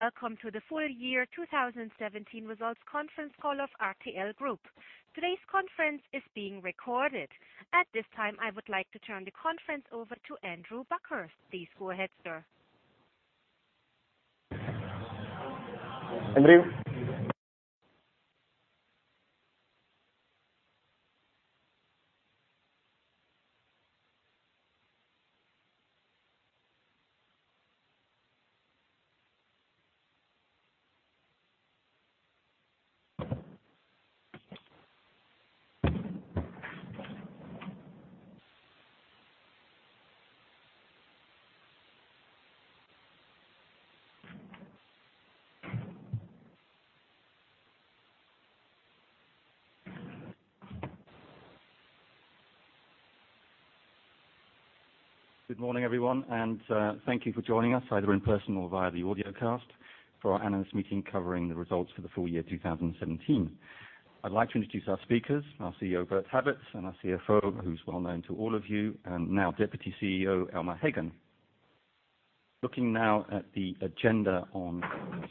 Welcome to the full year 2017 results conference call of RTL Group. Today's conference is being recorded. At this time, I would like to turn the conference over to Andrew Buckhurst. Please go ahead, sir. Andrew? Good morning, everyone, thank you for joining us either in person or via the audio cast for our analyst meeting covering the results for the full year 2017. I'd like to introduce our speakers, our CEO, Bert Habets, and our CFO, who's well known to all of you, and now Deputy CEO, Elmar Heggen. Looking now at the agenda on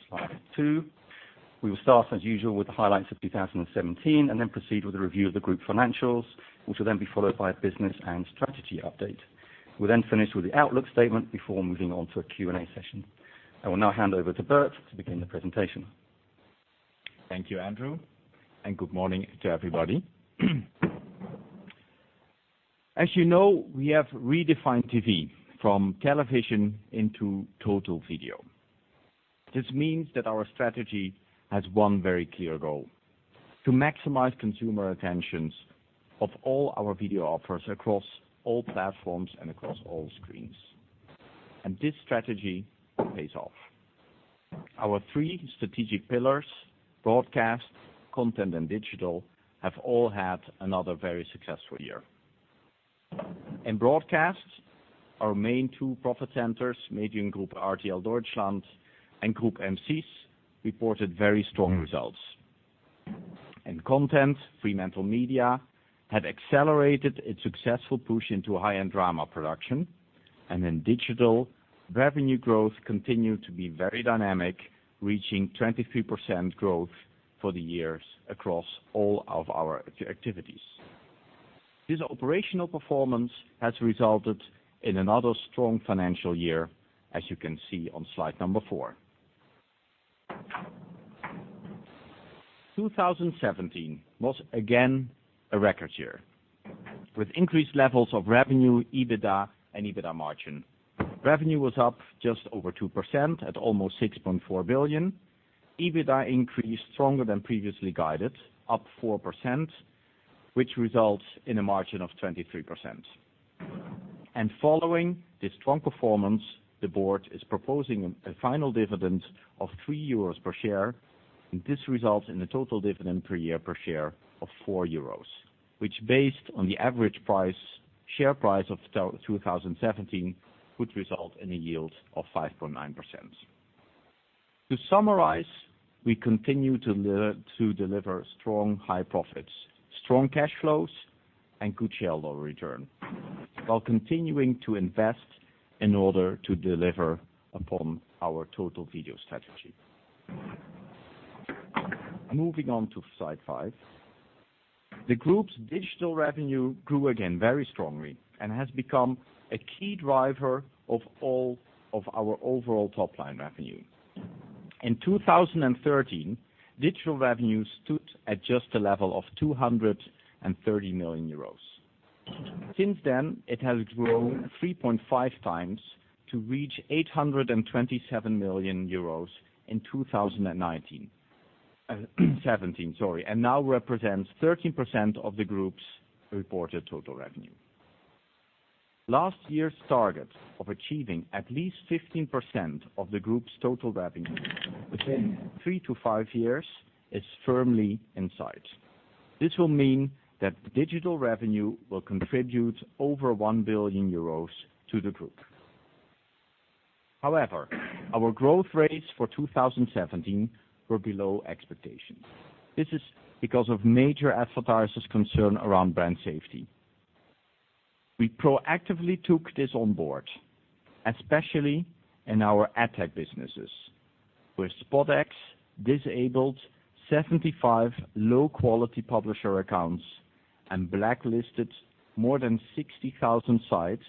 slide two. We will start, as usual, with the highlights of 2017, then proceed with a review of the group financials, which will be followed by a business and strategy update. We'll finish with the outlook statement before moving on to a Q&A session. I will now hand over to Bert to begin the presentation. Thank you, Andrew, good morning to everybody. As you know, we have redefined TV from television into total video. This means that our strategy has one very clear goal: to maximize consumer attentions of all our video offers across all platforms and across all screens. This strategy pays off. Our three strategic pillars, broadcast, content, and digital, have all had another very successful year. In broadcast, our main two profit centers, Mediengruppe RTL Deutschland and Groupe M6, reported very strong results. In content, FremantleMedia had accelerated its successful push into high-end drama production. In digital, revenue growth continued to be very dynamic, reaching 23% growth for the years across all of our activities. This operational performance has resulted in another strong financial year, as you can see on slide number four. 2017 was again a record year, with increased levels of revenue, EBITDA, and EBITDA margin. Revenue was up just over 2% at almost 6.4 billion. EBITDA increased stronger than previously guided, up 4%, which results in a margin of 23%. Following this strong performance, the board is proposing a final dividend of 3 euros per share. This results in a total dividend per year per share of 4 euros, which based on the average share price of 2017, would result in a yield of 5.9%. To summarize, we continue to deliver strong high profits, strong cash flows, and good shareholder return while continuing to invest in order to deliver upon our total video strategy. Moving on to slide five. The group's digital revenue grew again very strongly and has become a key driver of all of our overall top-line revenue. In 2013, digital revenue stood at just a level of 230 million euros. Since then, it has grown 3.5 times to reach 827 million euros in 2019. 2017, sorry. Now represents 13% of the group's reported total revenue. Last year's target of achieving at least 15% of the group's total revenue within three to five years is firmly in sight. This will mean that digital revenue will contribute over 1 billion euros to the group. However, our growth rates for 2017 were below expectations. This is because of major advertisers' concern around brand safety. We proactively took this on board, especially in our AdTech businesses, where SpotX disabled 75 low-quality publisher accounts and blacklisted more than 60,000 sites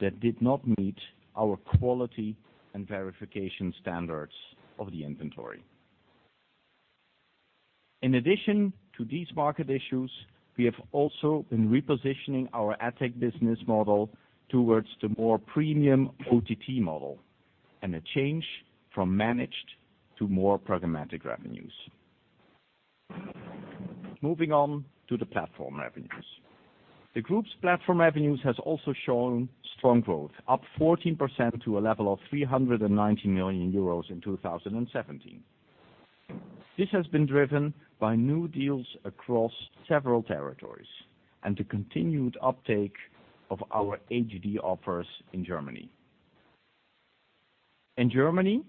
that did not meet our quality and verification standards of the inventory. In addition to these market issues, we have also been repositioning our AdTech business model towards the more premium OTT model, and a change from managed to more programmatic revenues. Moving on to the platform revenues. The group's platform revenues has also shown strong growth, up 14% to a level of 390 million euros in 2017. This has been driven by new deals across several territories and the continued uptake of our HD offers in Germany. In Germany,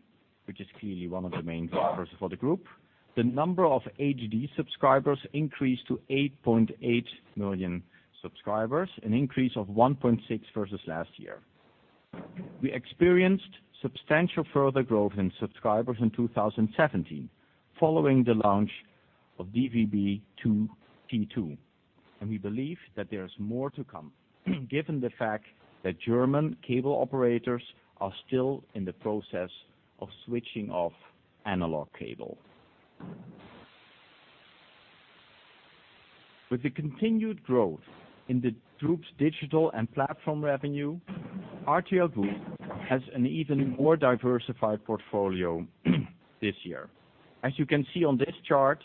which is clearly one of our main drivers for the group. The number of HD subscribers increased to 8.8 million subscribers, an increase of 1.6 versus last year. We experienced substantial further growth in subscribers in 2017 following the launch of DVB-T2, and we believe that there is more to come given the fact that German cable operators are still in the process of switching off analog cable. With the continued growth in the group's digital and platform revenue, RTL Group has an even more diversified portfolio this year. As you can see on this chart,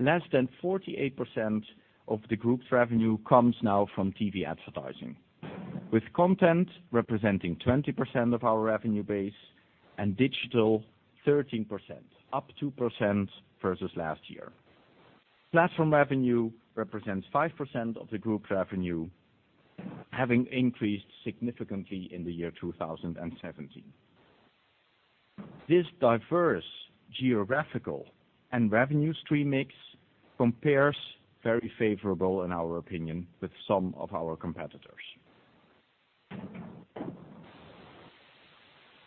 less than 48% of the group's revenue comes now from TV advertising. With content representing 20% of our revenue base and digital 13%, up 2% versus last year. Platform revenue represents 5% of the group's revenue, having increased significantly in the year 2017. This diverse geographical and revenue stream mix compares very favorable, in our opinion, with some of our competitors.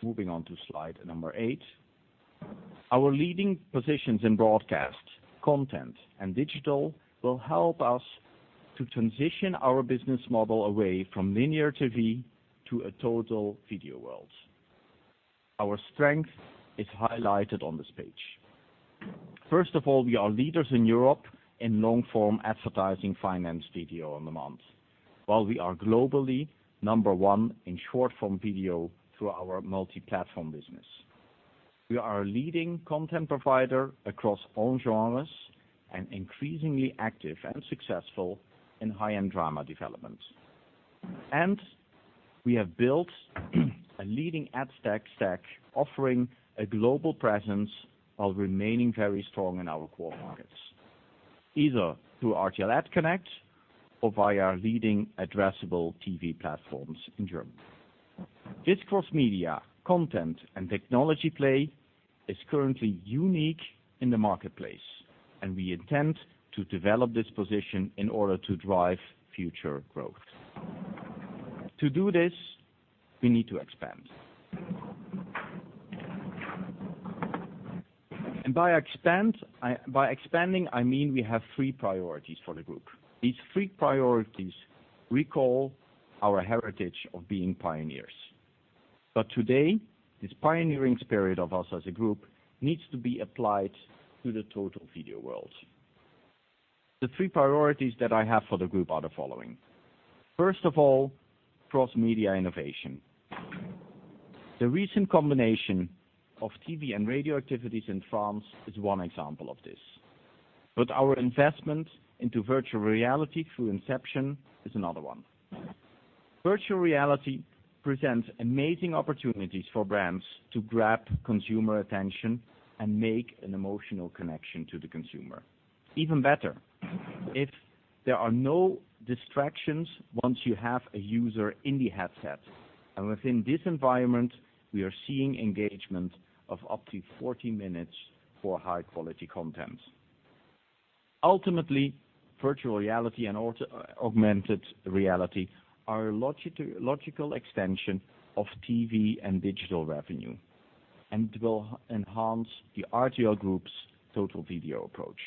Moving on to slide number eight. Our leading positions in broadcast content and digital will help us to transition our business model away from linear TV to a total video world. Our strength is highlighted on this page. First of all, we are leaders in Europe in long-form advertising finance video on demand. While we are globally number one in short-form video through our multi-platform business. We are a leading content provider across all genres and increasingly active and successful in high-end drama development. We have built a leading AdTech stack, offering a global presence while remaining very strong in our core markets, either through RTL AdConnect or via leading addressable TV platforms in Germany. This cross-media content and technology play is currently unique in the marketplace, and we intend to develop this position in order to drive future growth. To do this, we need to expand. By expanding, I mean we have three priorities for the group. These three priorities recall our heritage of being pioneers. Today, this pioneering spirit of us as a group needs to be applied to the total video world. The three priorities that I have for the group are the following. First of all, cross-media innovation. The recent combination of TV and radio activities in France is one example of this. Our investment into virtual reality through Inception is another one. Virtual reality presents amazing opportunities for brands to grab consumer attention and make an emotional connection to the consumer. Even better, if there are no distractions once you have a user in the headset. Within this environment, we are seeing engagement of up to 40 minutes for high-quality content. Ultimately, virtual reality and augmented reality are a logical extension of TV and digital revenue and will enhance the RTL Group's total video approach.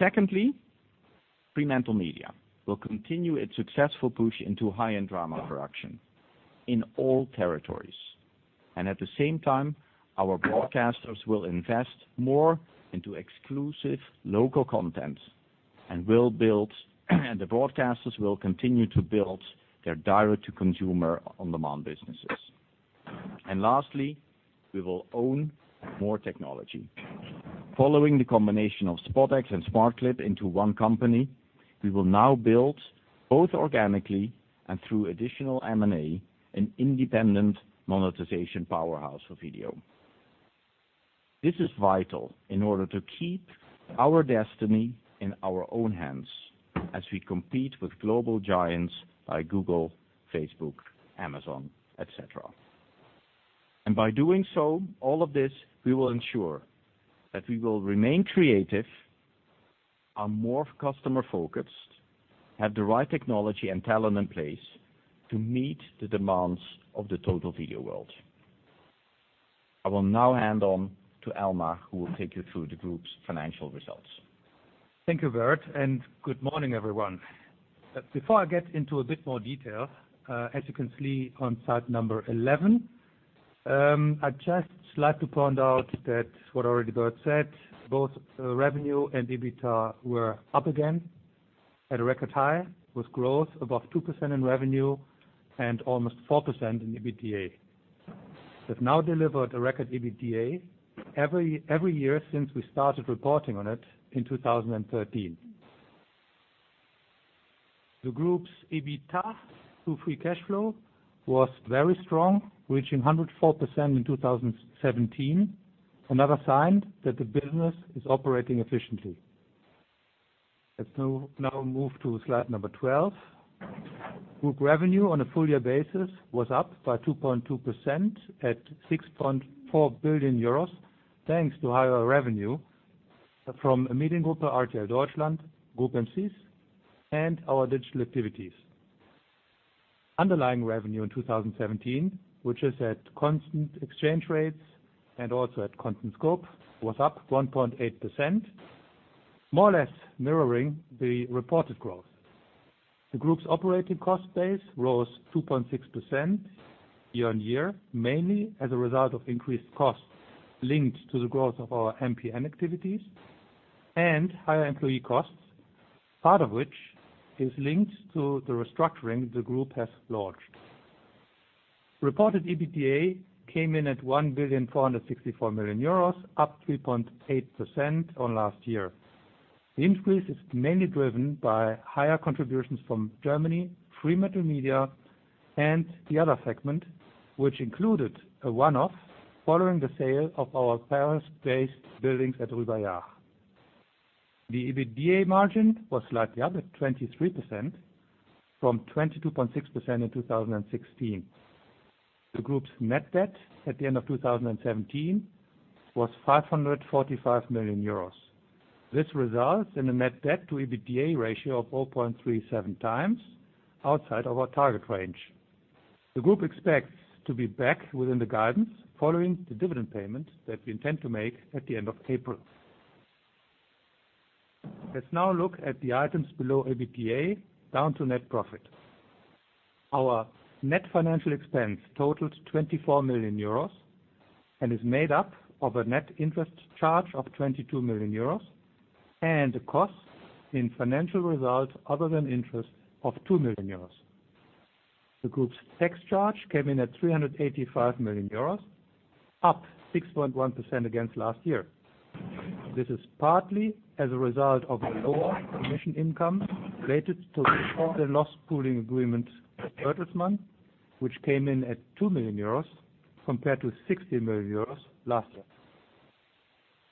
Secondly, FremantleMedia will continue its successful push into high-end drama production in all territories. At the same time, our broadcasters will invest more into exclusive local content and the broadcasters will continue to build their direct to consumer on-demand businesses. Lastly, we will own more technology. Following the combination of SpotX and smartclip into one company, we will now build both organically and through additional M&A, an independent monetization powerhouse for video. This is vital in order to keep our destiny in our own hands as we compete with global giants like Google, Facebook, Amazon, et cetera. By doing so, we will ensure that we will remain creative, are more customer-focused, have the right technology and talent in place to meet the demands of the total video world. I will now hand on to Elmar, who will take you through the group's financial results. Thank you, Bert, good morning, everyone. Before I get into a bit more detail, as you can see on slide 11, I'd just like to point out that what already Bert said, both revenue and EBITDA were up again at a record high with growth above 2% in revenue and almost 4% in EBITDA. We've now delivered a record EBITDA every year since we started reporting on it in 2013. The group's EBITDA to free cash flow was very strong, reaching 104% in 2017, another sign that the business is operating efficiently. Let's now move to slide 12. Group revenue on a full year basis was up by 2.2% at 6.4 billion euros thanks to higher revenue from Mediengruppe RTL Deutschland, Groupe M6, and our digital activities. Underlying revenue in 2017, which is at constant exchange rates and also at constant scope, was up 1.8%, more or less mirroring the reported growth. The group's operating cost base rose 2.6% year-on-year, mainly as a result of increased costs linked to the growth of our MPN activities and higher employee costs, part of which is linked to the restructuring the group has launched. Reported EBITDA came in at 1.464 billion euros, up 3.8% on last year. The increase is mainly driven by higher contributions from Germany, FremantleMedia, and the other segment, which included a one-off following the sale of our Paris-based buildings at Rue Bayard. The EBITDA margin was slightly up at 23%, from 22.6% in 2016. The group's net debt at the end of 2017 was 545 million euros. This results in a net debt to EBITDA ratio of 0.37 times outside of our target range. The group expects to be back within the guidance following the dividend payment that we intend to make at the end of April. Let's now look at the items below EBITDA down to net profit. Our net financial expense totaled 24 million euros and is made up of a net interest charge of 22 million euros and a cost in financial result other than interest of 2 million euros. The group's tax charge came in at 385 million euros, up 6.1% against last year. This is partly as a result of lower commission income related to the loss pooling agreement with Bertelsmann, which came in at 2 million euros compared to 60 million euros last year.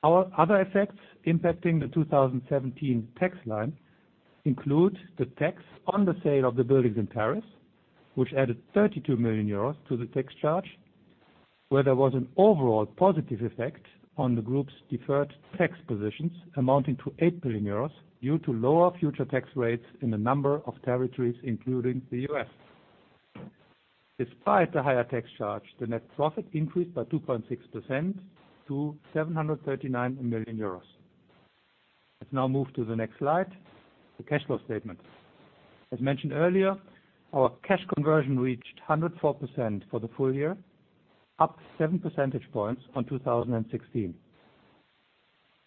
Our other effects impacting the 2017 tax line include the tax on the sale of the buildings in Paris, which added 32 million euros to the tax charge, where there was an overall positive effect on the group's deferred tax positions amounting to 8 million euros due to lower future tax rates in a number of territories, including the U.S. Despite the higher tax charge, the net profit increased by 2.6% to 739 million euros. Let's now move to the next slide, the cash flow statement. As mentioned earlier, our cash conversion reached 104% for the full year, up 7 percentage points on 2016.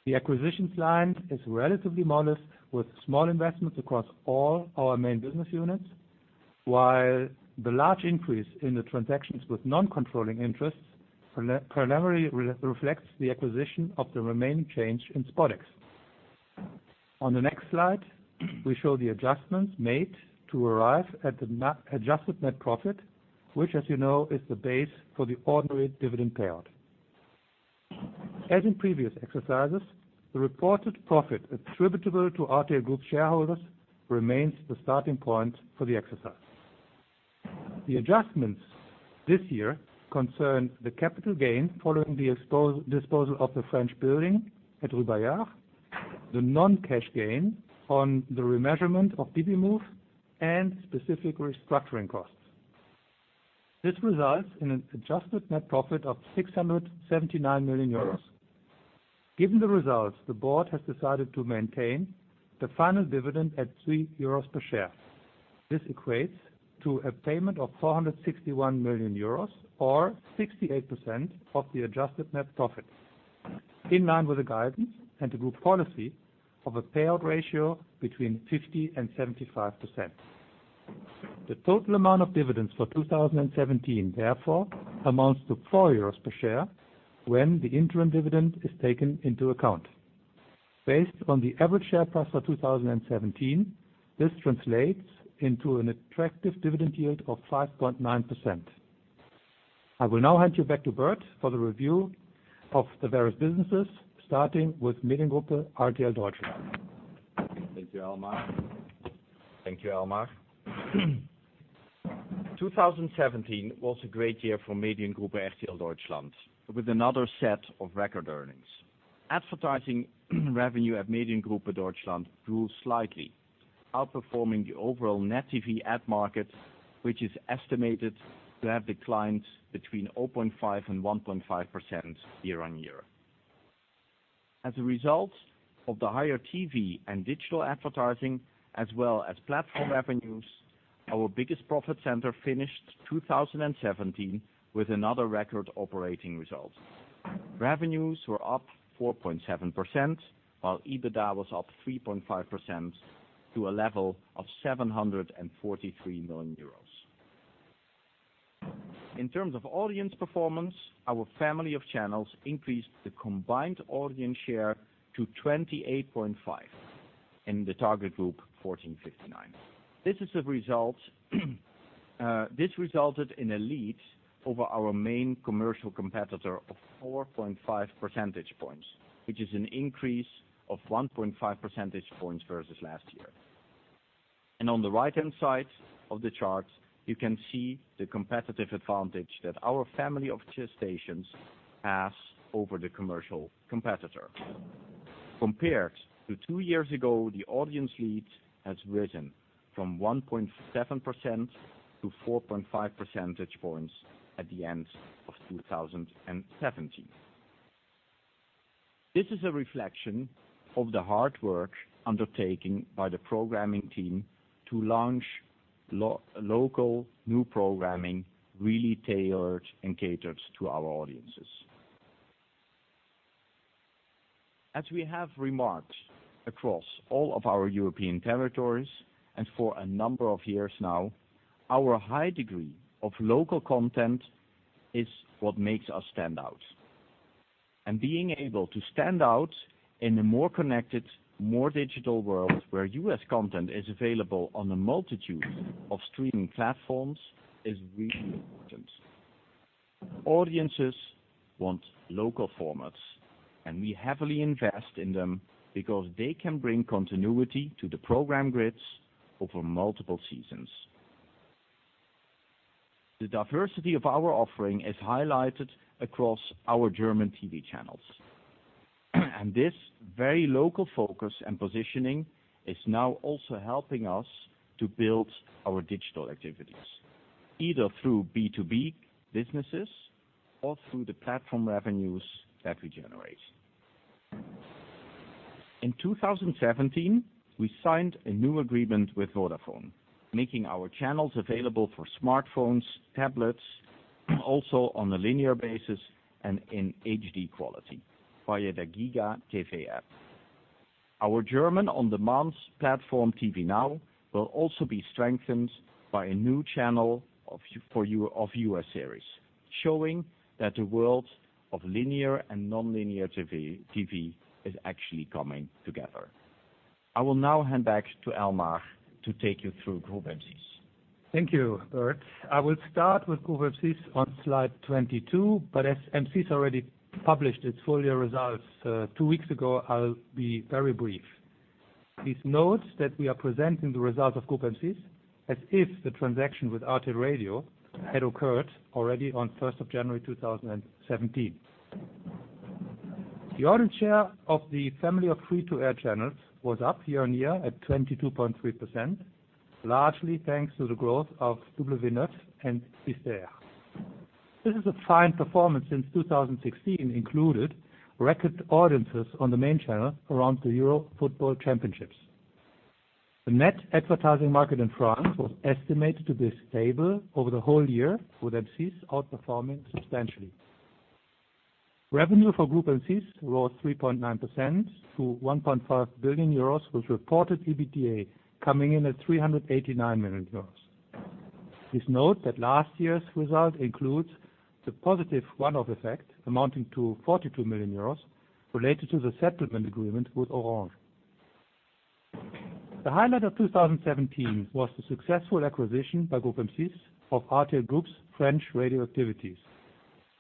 The acquisitions line is relatively modest with small investments across all our main business units, while the large increase in the transactions with non-controlling interests primarily reflects the acquisition of the remaining change in SpotX. On the next slide, we show the adjustments made to arrive at the adjusted net profit, which, as you know, is the base for the ordinary dividend payout. As in previous exercises, the reported profit attributable to RTL Group shareholders remains the starting point for the exercise. The adjustments this year concern the capital gain following the disposal of the French building at Rue Bayard, the non-cash gain on the remeasurement of Divimove, and specific restructuring costs. This results in an adjusted net profit of 679 million euros. Given the results, the board has decided to maintain the final dividend at 3 euros per share. This equates to a payment of 461 million euros or 68% of the adjusted net profit. In line with the guidance and the group policy of a payout ratio between 50%-75%. The total amount of dividends for 2017, therefore, amounts to 4 euros per share when the interim dividend is taken into account. Based on the average share price for 2017, this translates into an attractive dividend yield of 5.9%. I will now hand you back to Bert for the review of the various businesses, starting with Mediengruppe RTL Deutschland. Thank you, Elmar. 2017 was a great year for Mediengruppe RTL Deutschland, with another set of record earnings. Advertising revenue at Mediengruppe Deutschland grew slightly, outperforming the overall net TV ad market, which is estimated to have declined between 0.5%-1.5% year-on-year. As a result of the higher TV and digital advertising as well as platform revenues, our biggest profit center finished 2017 with another record operating result. Revenues were up 4.7%, while EBITDA was up 3.5% to a level of 743 million euros. In terms of audience performance, our family of channels increased the combined audience share to 28.5% in the target group, 14-59. This resulted in a lead over our main commercial competitor of 4.5 percentage points, which is an increase of 1.5 percentage points versus last year. On the right-hand side of the chart, you can see the competitive advantage that our family of TV stations has over the commercial competitor. Compared to two years ago, the audience lead has risen from 1.7% to 4.5 percentage points at the end of 2017. This is a reflection of the hard work undertaken by the programming team to launch local new programming really tailored and catered to our audiences. As we have remarked across all of our European territories, for a number of years now, our high degree of local content is what makes us stand out. Being able to stand out in a more connected, more digital world where U.S. content is available on a multitude of streaming platforms is really important. Audiences want local formats, and we heavily invest in them because they can bring continuity to the program grids over multiple seasons. The diversity of our offering is highlighted across our German TV channels. This very local focus and positioning is now also helping us to build our digital activities, either through B2B businesses or through the platform revenues that we generate. In 2017, we signed a new agreement with Vodafone, making our channels available for smartphones, tablets, also on a linear basis and in HD quality via the GigaTV app. Our German on-demand platform, TV Now, will also be strengthened by a new channel of U.S. series, showing that the world of linear and non-linear TV is actually coming together. I will now hand back to Elmar to take you through Groupe M6. Thank you, Bert. I'll start with Groupe M6 on slide 22, but as M6 already published its full-year results two weeks ago, I'll be very brief. Please note that we are presenting the results of Groupe M6 as if the transaction with RTL Radio had occurred already on 1st of January 2017. The audience share of the family of free-to-air channels was up year-on-year at 22.3%, largely thanks to the growth of W9 and 6ter. This is a fine performance since 2016 included record audiences on the main channel around the UEFA European Championship. The net advertising market in France was estimated to be stable over the whole year, with M6 outperforming substantially. Revenue for Groupe M6 rose 3.9% to 1.5 billion euros, with reported EBITDA coming in at 389 million euros. Please note that last year's result includes the positive one-off effect amounting to 42 million euros related to the settlement agreement with Orange. The highlight of 2017 was the successful acquisition by Groupe M6 of RTL Group's French radio activities.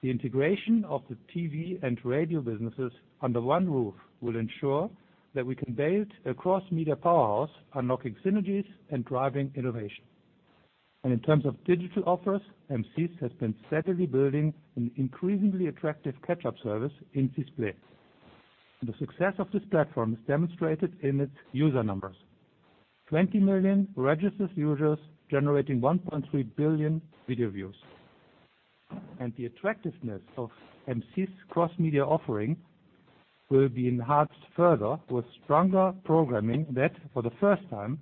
The integration of the TV and radio businesses under one roof will ensure that we can build a cross-media powerhouse, unlocking synergies and driving innovation. In terms of digital offers, M6 has been steadily building an increasingly attractive catch-up service in 6play. The success of this platform is demonstrated in its user numbers. 20 million registered users generating 1.3 billion video views. The attractiveness of M6's cross-media offering will be enhanced further with stronger programming that, for the first time,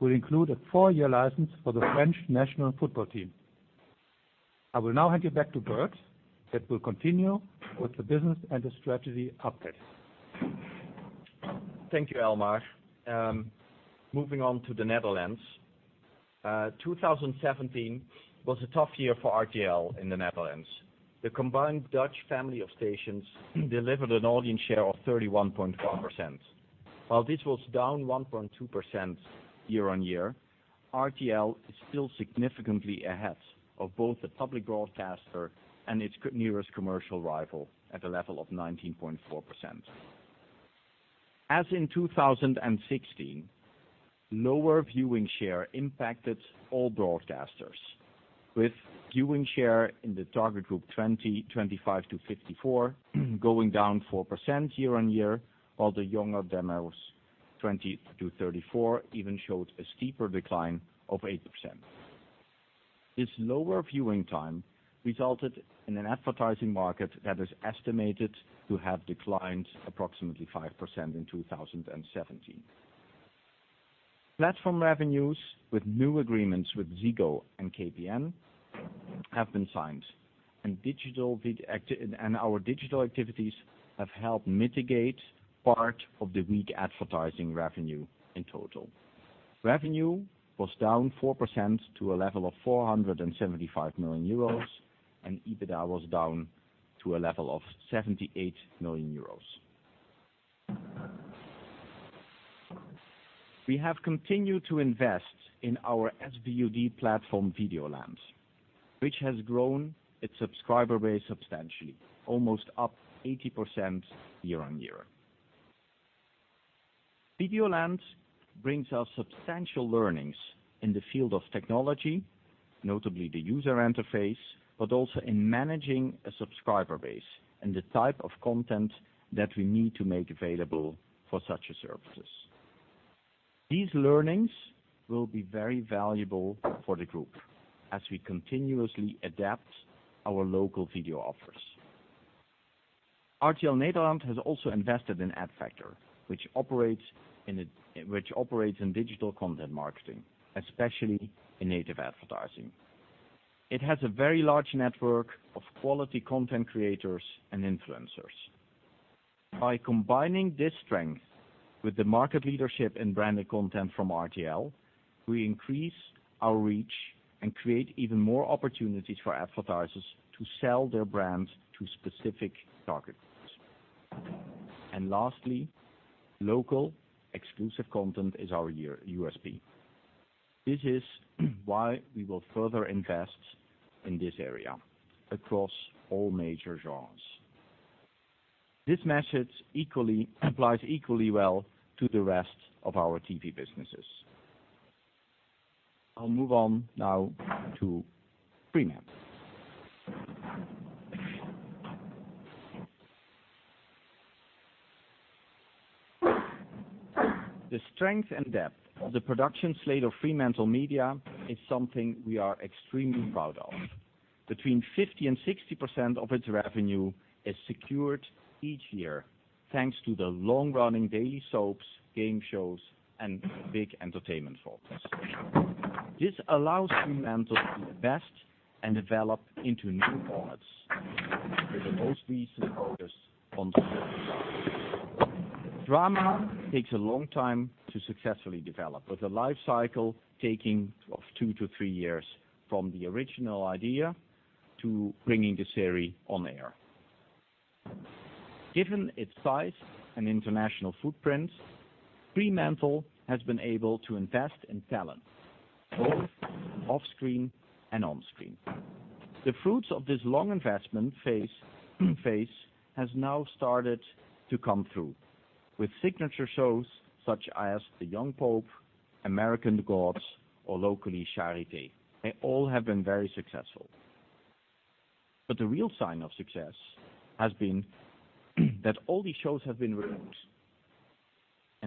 will include a 4-year license for the French national football team. I will now hand you back to Bert, that will continue with the business and the strategy update. Thank you, Elmar. Moving on to the Netherlands. 2017 was a tough year for RTL in the Netherlands. The combined Dutch family of stations delivered an audience share of 31.5%. While this was down 1.2% year-on-year, RTL is still significantly ahead of both the public broadcaster and its nearest commercial rival at a level of 19.4%. As in 2016, lower viewing share impacted all broadcasters. With viewing share in the target group 25-54 going down 4% year-on-year, while the younger demos, 20-34, even showed a steeper decline of 8%. This lower viewing time resulted in an advertising market that is estimated to have declined approximately 5% in 2017. Platform revenues with new agreements with Ziggo and KPN have been signed, our digital activities have helped mitigate part of the weak advertising revenue in total. Revenue was down 4% to a level of 475 million euros, EBITDA was down to a level of 78 million euros. We have continued to invest in our SVOD platform, Videoland, which has grown its subscriber base substantially, almost up 80% year-on-year. Videoland brings us substantial learnings in the field of technology, notably the user interface, but also in managing a subscriber base and the type of content that we need to make available for such services. These learnings will be very valuable for the group as we continuously adapt our local video offers. RTL Nederland has also invested in Adfactor, which operates in digital content marketing, especially in native advertising. It has a very large network of quality content creators and influencers. By combining this strength with the market leadership and branded content from RTL, we increase our reach and create even more opportunities for advertisers to sell their brands to specific target groups. Lastly, local exclusive content is our USP. This is why we will further invest in this area across all major genres. This message applies equally well to the rest of our TV businesses. I will move on now to FremantleMedia. The strength and depth of the production slate of FremantleMedia is something we are extremely proud of. Between 50% and 60% of its revenue is secured each year thanks to the long-running daily soaps, game shows, and big entertainment formats. This allows FremantleMedia to invest and develop into new formats with the most recent focus on drama. Drama takes a long time to successfully develop, with a life cycle taking two to three years from the original idea to bringing the series on air. Given its size and international footprint, FremantleMedia has been able to invest in talent, both off-screen and on-screen. The fruits of this long investment phase has now started to come through with signature shows such as "The Young Pope," "American Gods," or locally, "Charité." They all have been very successful.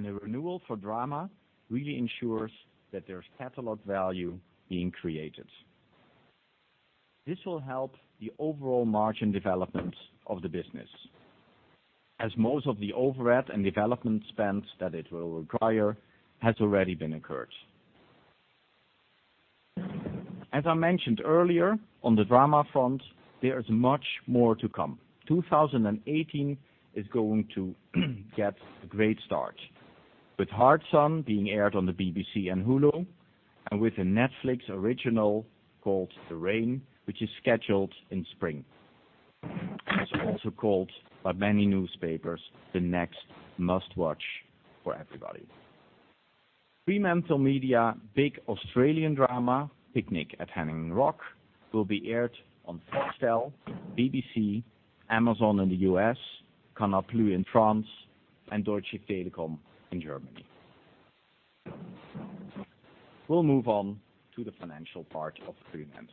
A renewal for drama really ensures that there is catalog value being created. This will help the overall margin development of the business, as most of the overhead and development spend that it will require has already been incurred. As I mentioned earlier, on the drama front, there is much more to come. 2018 is going to get a great start with "Hard Sun" being aired on the BBC and Hulu, and with a Netflix original called "The Rain," which is scheduled in spring. It is also called by many newspapers, the next must-watch for everybody. FremantleMedia big Australian drama, "Picnic at Hanging Rock," will be aired on Foxtel, BBC, Amazon in the U.S., Canal+ in France, and Deutsche Telekom in Germany. We will move on to the financial part of FremantleMedia.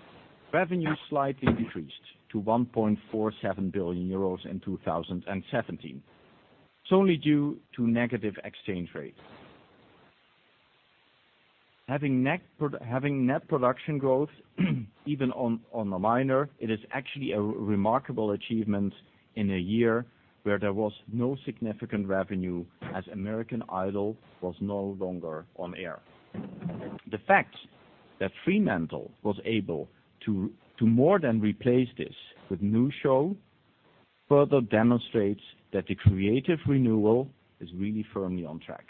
Revenue slightly increased to 1.47 billion euros in 2017. It is only due to negative exchange rates. Having net production growth, even on a minor, it is actually a remarkable achievement in a year where there was no significant revenue as "American Idol" was no longer on air. The fact that FremantleMedia was able to more than replace this with new shows further demonstrates that the creative renewal is really firmly on track.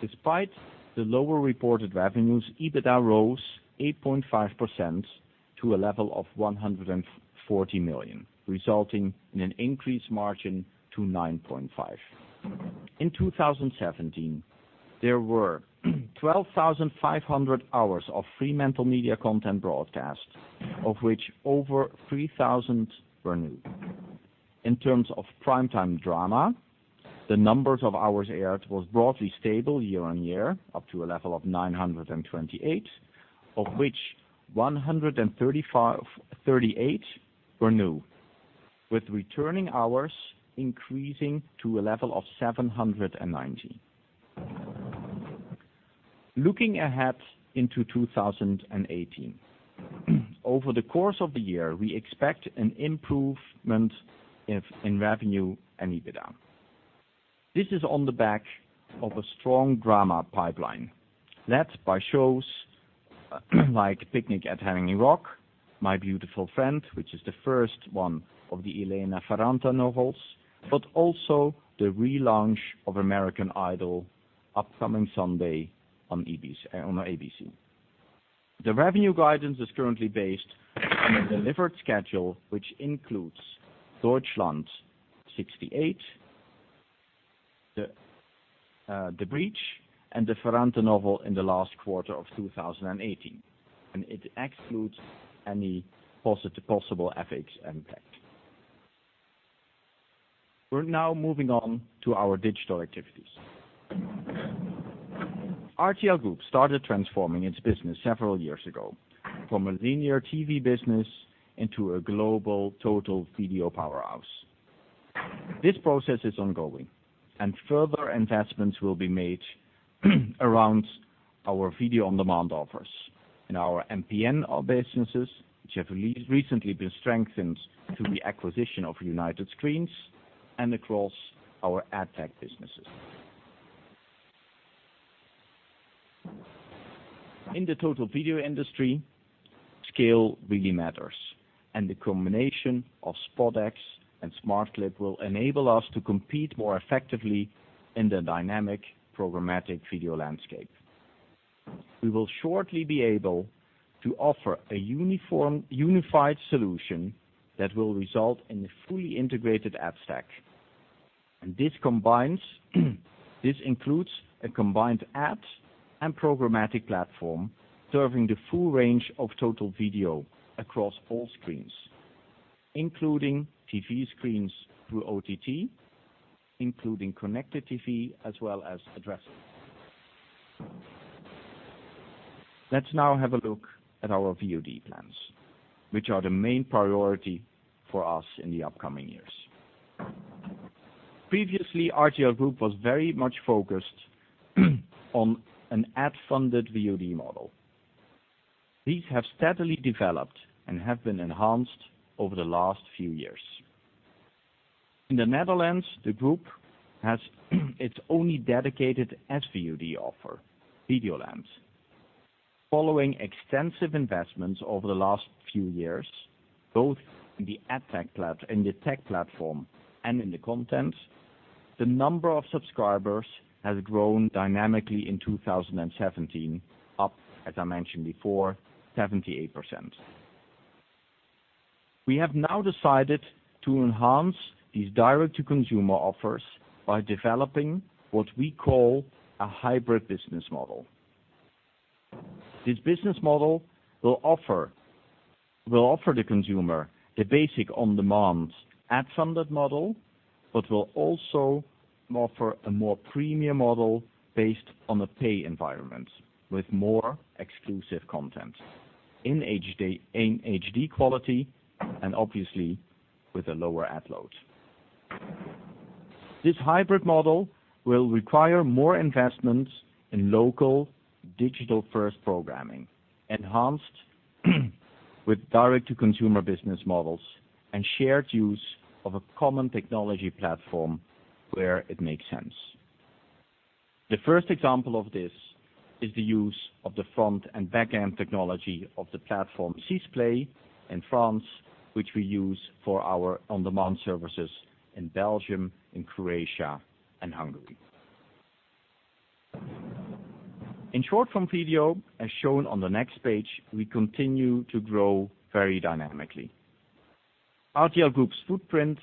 Despite the lower reported revenues, EBITDA rose 8.5% to a level of 140 million, resulting in an increased margin to 9.5%. In 2017, there were 12,500 hours of FremantleMedia content broadcast, of which over 3,000 were new. In terms of primetime drama, the numbers of hours aired was broadly stable year-on-year, up to a level of 928, of which 138 were new, with returning hours increasing to a level of 790. Looking ahead into 2018. Over the course of the year, we expect an improvement in revenue and EBITDA. This is on the back of a strong drama pipeline led by shows like "Picnic at Hanging Rock," "My Brilliant Friend," which is the first one of the Elena Ferrante novels, but also the relaunch of "American Idol" upcoming Sunday on ABC. The revenue guidance is currently based on a delivered schedule, which includes Deutschland 86, The Breach, and the Ferrante novel in the last quarter of 2018. It excludes any possible FX impact. We are now moving on to our digital activities. RTL Group started transforming its business several years ago, from a linear TV business into a global total video powerhouse. This process is ongoing, and further investments will be made around our video-on-demand offers, in our MPN businesses, which have recently been strengthened through the acquisition of United Screens, and across our AdTech businesses. In the total video industry, scale really matters, and the combination of SpotX and smartclip will enable us to compete more effectively in the dynamic programmatic video landscape. We will shortly be able to offer a unified solution that will result in a fully integrated ad stack. This includes a combined ad and programmatic platform serving the full range of total video across all screens, including TV screens through OTT, including connected TV, as well as addressable. Let us now have a look at our VOD plans, which are the main priority for us in the upcoming years. Previously, RTL Group was very much focused on an ad-funded VOD model. These have steadily developed and have been enhanced over the last few years. In the Netherlands, the Group has its only dedicated SVOD offer, Videoland. Following extensive investments over the last few years, both in the tech platform and in the content, the number of subscribers has grown dynamically in 2017, up, as I mentioned before, 78%. We have now decided to enhance these direct-to-consumer offers by developing what we call a hybrid business model. This business model will offer the consumer the basic on-demand ad-funded model, but will also offer a more premium model based on a pay environment with more exclusive content in HD quality and obviously with a lower ad load. This hybrid model will require more investments in local digital-first programming, enhanced with direct-to-consumer business models and shared use of a common technology platform where it makes sense. The first example of this is the use of the front- and back-end technology of the platform 6play in France, which we use for our on-demand services in Belgium, in Croatia, and Hungary. In short form video, as shown on the next page, we continue to grow very dynamically. RTL Group's footprint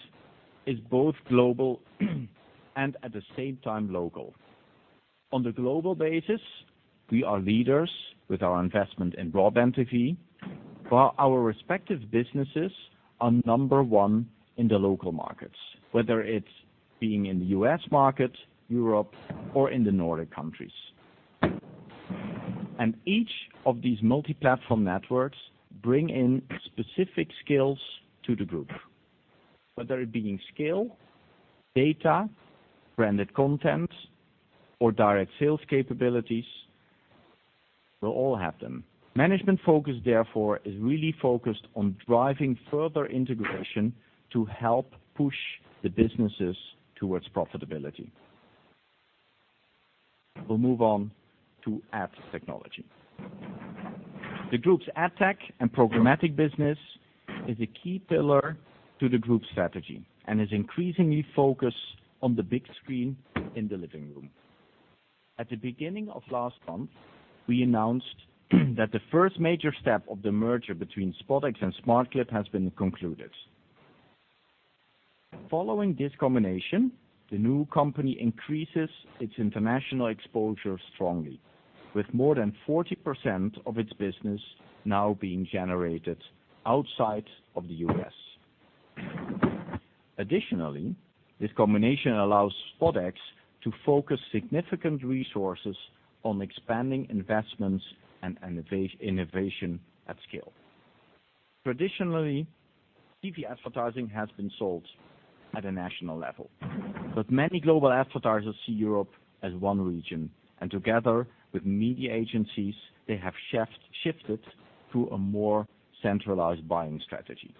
is both global and at the same time local. On the global basis, we are leaders with our investment in BroadbandTV, while our respective businesses are number one in the local markets, whether it is being in the U.S. market, Europe, or in the Nordic countries. Each of these multi-platform networks bring in specific skills to the Group, whether it is being scale, data, branded content, or direct sales capabilities, we will all have them. Management focus, therefore, is really focused on driving further integration to help push the businesses towards profitability. We will move on to ads technology. The Group's AdTech and programmatic business is a key pillar to the Group's strategy and is increasingly focused on the big screen in the living room. At the beginning of last month, we announced that the first major step of the merger between SpotX and smartclip has been concluded. Following this combination, the new company increases its international exposure strongly, with more than 40% of its business now being generated outside of the U.S. Additionally, this combination allows SpotX to focus significant resources on expanding investments and innovation at scale. Traditionally, TV advertising has been sold at a national level, but many global advertisers see Europe as one region, and together with media agencies, they have shifted to a more centralized buying strategy.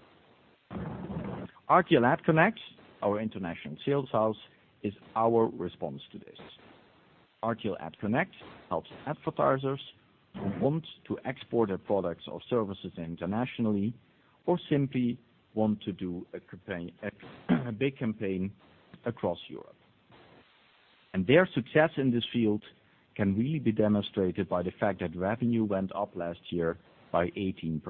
RTL AdConnect, our international sales house, is our response to this. RTL AdConnect helps advertisers who want to export their products or services internationally or simply want to do a big campaign across Europe. Their success in this field can really be demonstrated by the fact that revenue went up last year by 18%.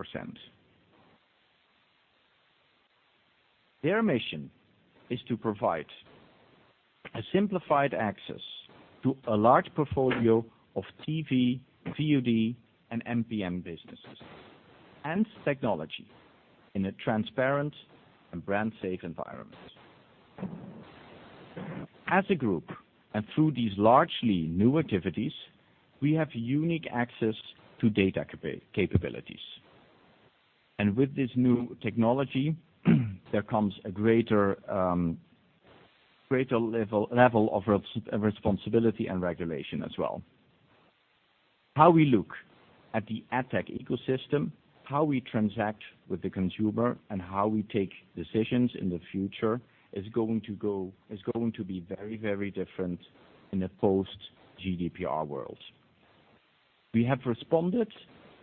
Their mission is to provide a simplified access to a large portfolio of TV, VOD, and MPN businesses, and technology in a transparent and brand-safe environment. As a group, through these largely new activities, we have unique access to data capabilities. With this new technology, there comes a greater level of responsibility and regulation as well. How we look at the AdTech ecosystem, how we transact with the consumer, and how we take decisions in the future is going to be very different in a post-GDPR world. We have responded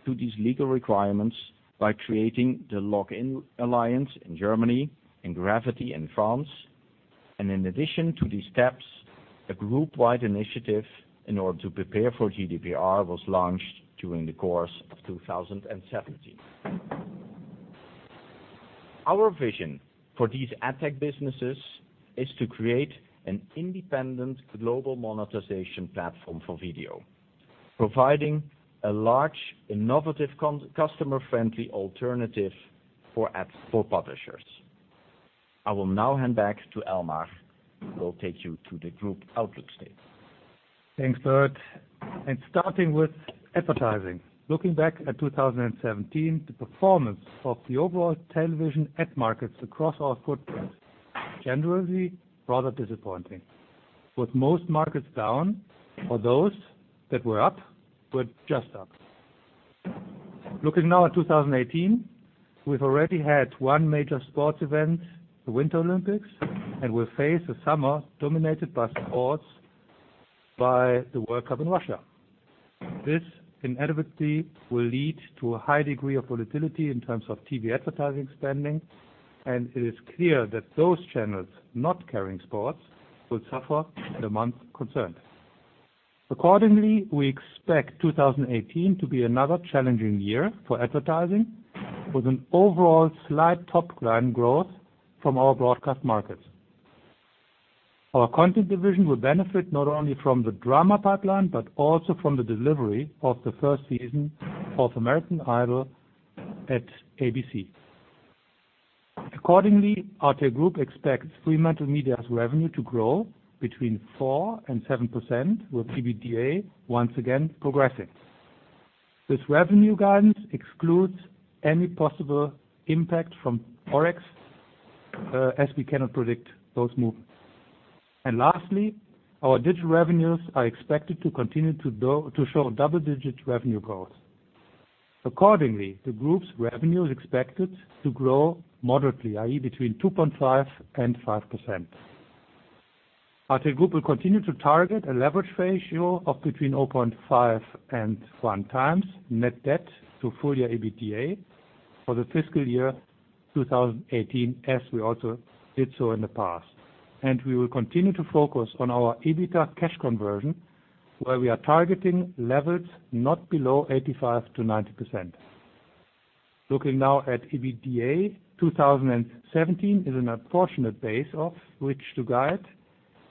to these legal requirements by creating the Login Alliance in Germany and Gravity in France. In addition to these steps, a group-wide initiative in order to prepare for GDPR was launched during the course of 2017. Our vision for these AdTech businesses is to create an independent global monetization platform for video, providing a large, innovative, customer-friendly alternative for publishers. I will now hand back to Elmar, who will take you to the group outlook statement. Thanks, Bert. Starting with advertising. Looking back at 2017, the performance of the overall television ad markets across our footprint, generally, rather disappointing. With most markets down, or those that were up, were just up. Looking now at 2018, we've already had one major sports event, the Winter Olympics, and we face a summer dominated by sports by the World Cup in Russia. This inevitably will lead to a high degree of volatility in terms of TV advertising spending. It is clear that those channels not carrying sports will suffer in the months concerned. Accordingly, we expect 2018 to be another challenging year for advertising, with an overall slight top-line growth from our broadcast markets. Our content division will benefit not only from the drama pipeline, but also from the delivery of the first season of "American Idol" at ABC. Accordingly, RTL Group expects FremantleMedia's revenue to grow between 4% and 7%, with EBITDA once again progressing. This revenue guidance excludes any possible impact from Forex, as we cannot predict those movements. Lastly, our digital revenues are expected to continue to show double-digit revenue growth. Accordingly, the group's revenue is expected to grow moderately, i.e., between 2.5% and 5%. RTL Group will continue to target a leverage ratio of between 0.5 and 1 times net debt to full-year EBITDA for the fiscal year 2018, as we also did so in the past. We will continue to focus on our EBITDA cash conversion, where we are targeting levels not below 85%-90%. Looking now at EBITDA, 2017 is an unfortunate base off which to guide,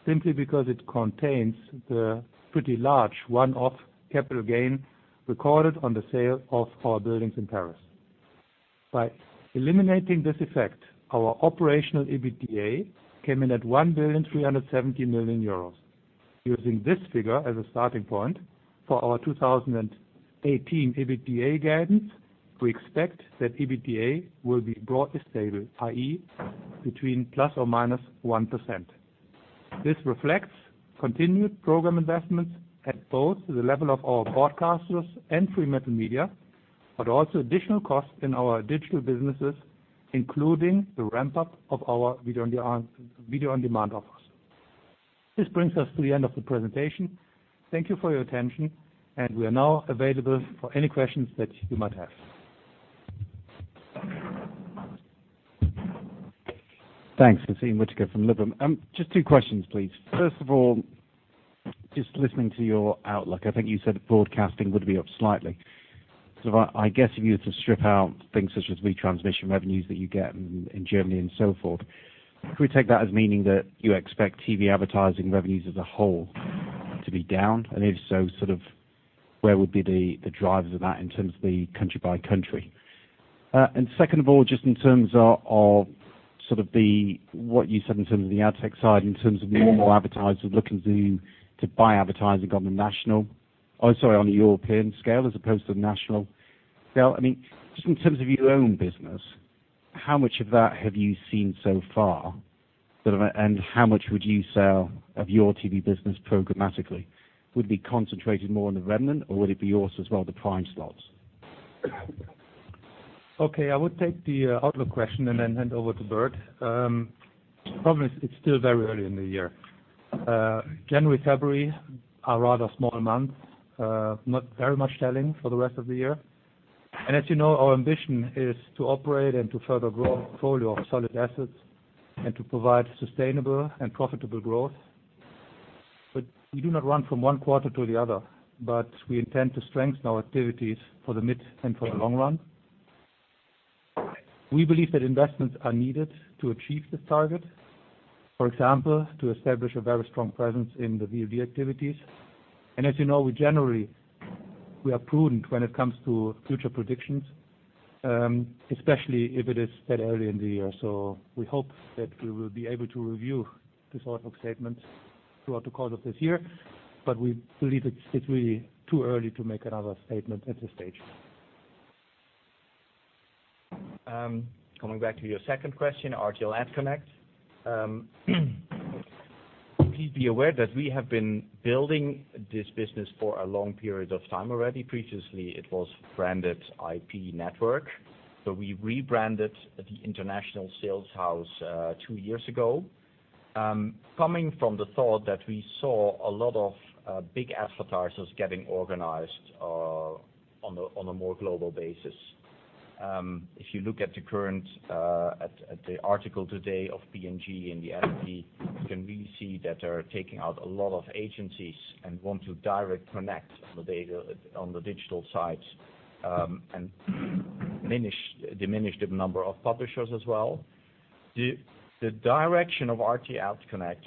simply because it contains the pretty large one-off capital gain recorded on the sale of our buildings in Paris. By eliminating this effect, our operational EBITDA came in at 1.37 billion euros. Using this figure as a starting point for our 2018 EBITDA guidance, we expect that EBITDA will be broadly stable, i.e., between ±1%. This reflects continued program investments at both the level of our broadcasters and FremantleMedia, but also additional costs in our digital businesses, including the ramp-up of our VOD offers. This brings us to the end of the presentation. Thank you for your attention. We are now available for any questions that you might have. Thanks. Nassim Witker from Liberum. Just two questions, please. First of all, listening to your outlook, I think you said broadcasting would be up slightly. I guess if you were to strip out things such as retransmission revenues that you get in Germany and so forth, can we take that as meaning that you expect TV advertising revenues as a whole to be down? If so, where would be the drivers of that in terms of the country by country? Second of all, in terms of the AdTech side, in terms of more advertisers looking to buy advertising on a European scale as opposed to the national scale. In terms of your own business, how much of that have you seen so far, and how much would you sell of your TV business programmatically? Would it be concentrated more on the remnant, or would it be also the prime slots? I would take the outlook question and then hand over to Bert. Problem is, it is still very early in the year. January, February are rather small months. Not very much selling for the rest of the year. As you know, our ambition is to operate and to further grow our portfolio of solid assets and to provide sustainable and profitable growth. We do not run from one quarter to the other, but we intend to strengthen our activities for the mid and for the long run. We believe that investments are needed to achieve this target. For example, to establish a very strong presence in the VOD activities. As you know, we generally are prudent when it comes to future predictions, especially if it is that early in the year. We hope that we will be able to review this sort of statement throughout the course of this year. We believe it is really too early to make another statement at this stage. Coming back to your second question, RTL AdConnect. Please be aware that we have been building this business for a long period of time already. Previously, it was branded IP Network. We rebranded the international sales house two years ago. Coming from the thought that we saw a lot of big advertisers getting organized on a more global basis. If you look at the article today of P&G in the FT, you can really see that they are taking out a lot of agencies and want to direct connect on the digital side, and diminish the number of publishers as well. The direction of RTL AdConnect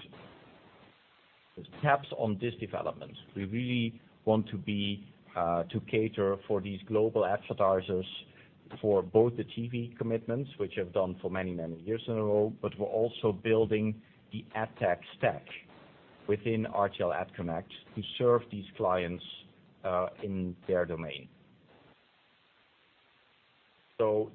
is perhaps on this development. We really want to cater for these global advertisers for both the TV commitments, which we have done for many years in a row. We are also building the ad tech stack within RTL AdConnect to serve these clients, in their domain.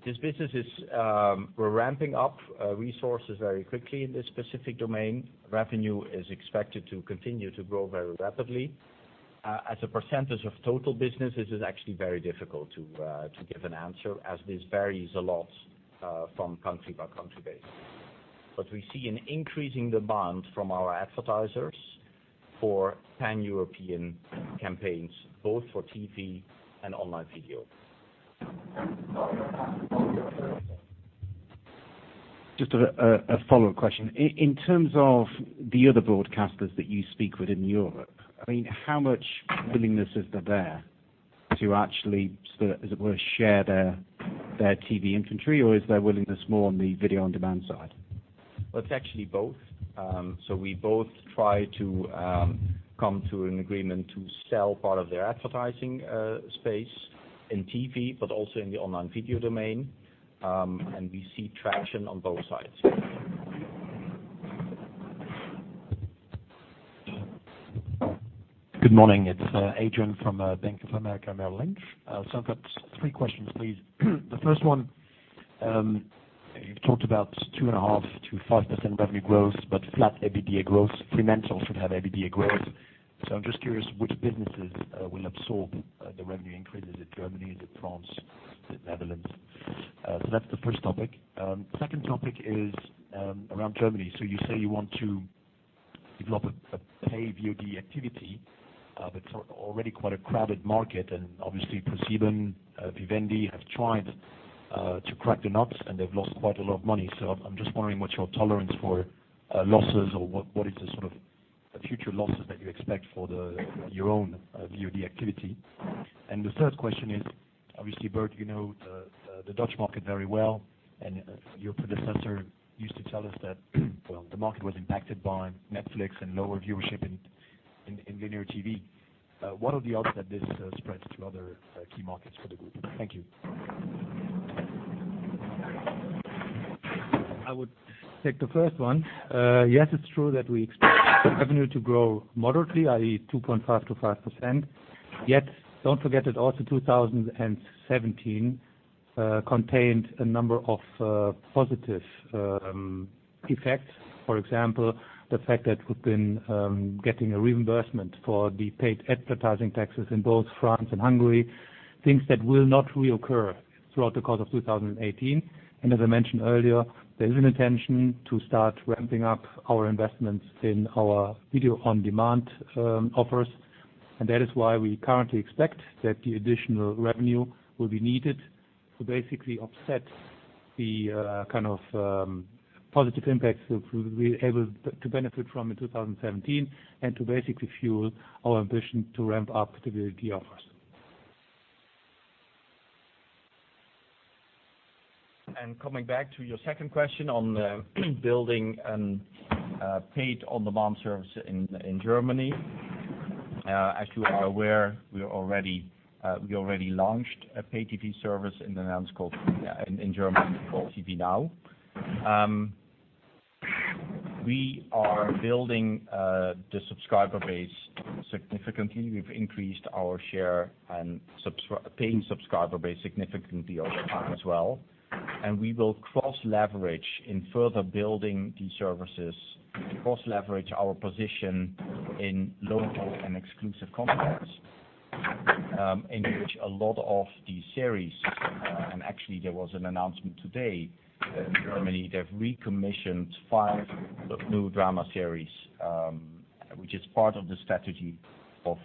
This business, we are ramping up resources very quickly in this specific domain. Revenue is expected to continue to grow very rapidly. As a percentage of total business, this is actually very difficult to give an answer as this varies a lot from country by country basis. We see an increasing demand from our advertisers for pan-European campaigns, both for TV and online video. Just a follow-up question. In terms of the other broadcasters that you speak with in Europe, how much willingness is there to actually, as it were, share their TV inventory, or is their willingness more on the video-on-demand side? It's actually both. We both try to come to an agreement to sell part of their advertising space in TV, but also in the online video domain. We see traction on both sides. Good morning. It's Adrian from Bank of America Merrill Lynch. I've got three questions, please. The first one, you've talked about 2.5%-5% revenue growth, but flat EBITDA growth. Fremantle should have EBITDA growth. I'm just curious which businesses will absorb the revenue increases. Is it Germany? Is it France? Is it Netherlands? That's the first topic. Second topic is around Germany. You say you want to develop a paid VOD activity, but it's already quite a crowded market, and obviously ProSiebenSat.1, Vivendi have tried to crack the nuts, and they've lost quite a lot of money. I'm just wondering what your tolerance for losses or what is the sort of future losses that you expect for your own VOD activity. The third question is, obviously, Bert, you know the Dutch market very well, and your predecessor used to tell us that, well, the market was impacted by Netflix and lower viewership in linear TV. What are the odds that this spreads to other key markets for the group? Thank you. I would take the first one. Yes, it's true that we expect revenue to grow moderately, i.e., 2.5%-5%. Yet, don't forget that also 2017 contained a number of positive effects. For example, the fact that we've been getting a reimbursement for the paid advertising taxes in both France and Hungary, things that will not reoccur throughout the course of 2018. As I mentioned earlier, there is an intention to start ramping up our investments in our video-on-demand offers. That is why we currently expect that the additional revenue will be needed to basically offset the positive impacts that we were able to benefit from in 2017 and to basically fuel our ambition to ramp up the VOD offers. Coming back to your second question on building a paid on-demand service in Germany. As you are aware, we already launched a paid TV service in Germany called TV NOW. We are building the subscriber base significantly. We've increased our share and paying subscriber base significantly over time as well. We will cross-leverage in further building these services, cross-leverage our position in local and exclusive content. Actually, there was an announcement today that in Germany they've recommissioned five new drama series, which is part of the strategy of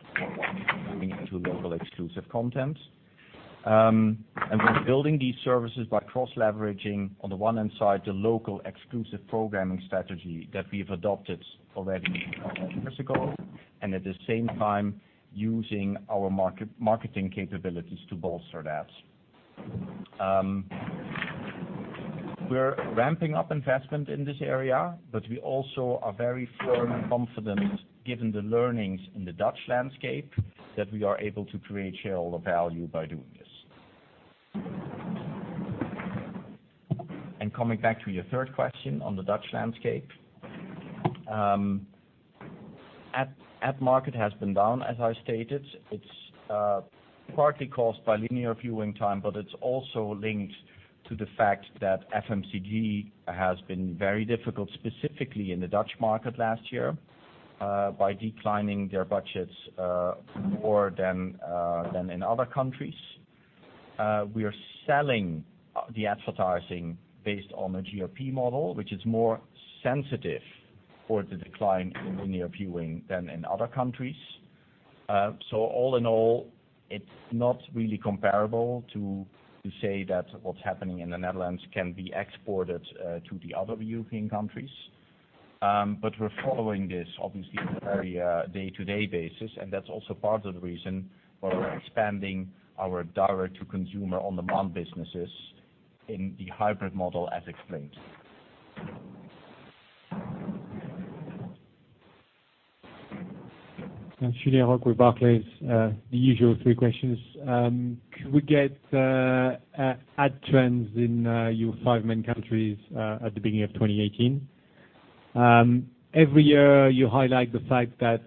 moving into local exclusive content. We're building these services by cross-leveraging, on the one hand side, the local exclusive programming strategy that we've adopted already a couple of years ago. At the same time, using our marketing capabilities to bolster that. We're ramping up investment in this area, we also are very firm and confident, given the learnings in the Dutch landscape, that we are able to create shareholder value by doing this. Coming back to your third question on the Dutch landscape. Ad market has been down, as I stated. It's partly caused by linear viewing time, but it's also linked to the fact that FMCG has been very difficult, specifically in the Dutch market last year, by declining their budgets more than in other countries. We are selling the advertising based on a GRP model, which is more sensitive for the decline in linear viewing than in other countries. All in all, it's not really comparable to say that what's happening in the Netherlands can be exported to the other European countries. We're following this, obviously, on a very day-to-day basis, and that's also part of the reason why we're expanding our direct-to-consumer on-demand businesses in the hybrid model, as explained. Julien Roch with Barclays. The usual three questions. Could we get ad trends in your 5 main countries at the beginning of 2018? Every year you highlight the fact that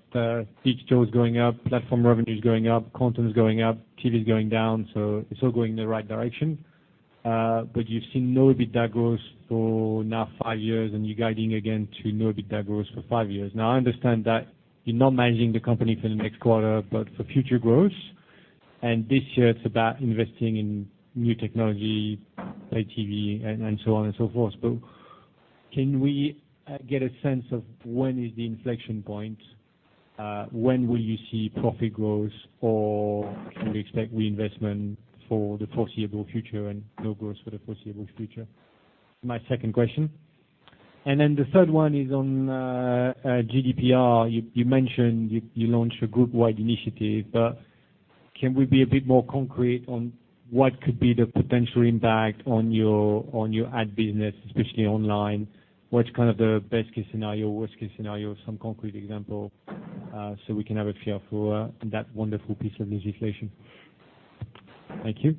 digital is going up, platform revenue is going up, content is going up, TV's going down. It's all going in the right direction. You've seen no EBITDA growth for now 5 years, and you're guiding again to no EBITDA growth for 5 years. I understand that you're not managing the company for the next quarter, but for future growth. This year it's about investing in new technology, pay TV, and so on and so forth. Can we get a sense of when is the inflection point? When will you see profit growth, or can we expect reinvestment for the foreseeable future and no growth for the foreseeable future? My second question. The third one is on GDPR. You mentioned you launched a group-wide initiative, can we be a bit more concrete on what could be the potential impact on your ad business, especially online? What's the best case scenario, worst case scenario? Some concrete example, so we can have a feel for that wonderful piece of legislation. Thank you.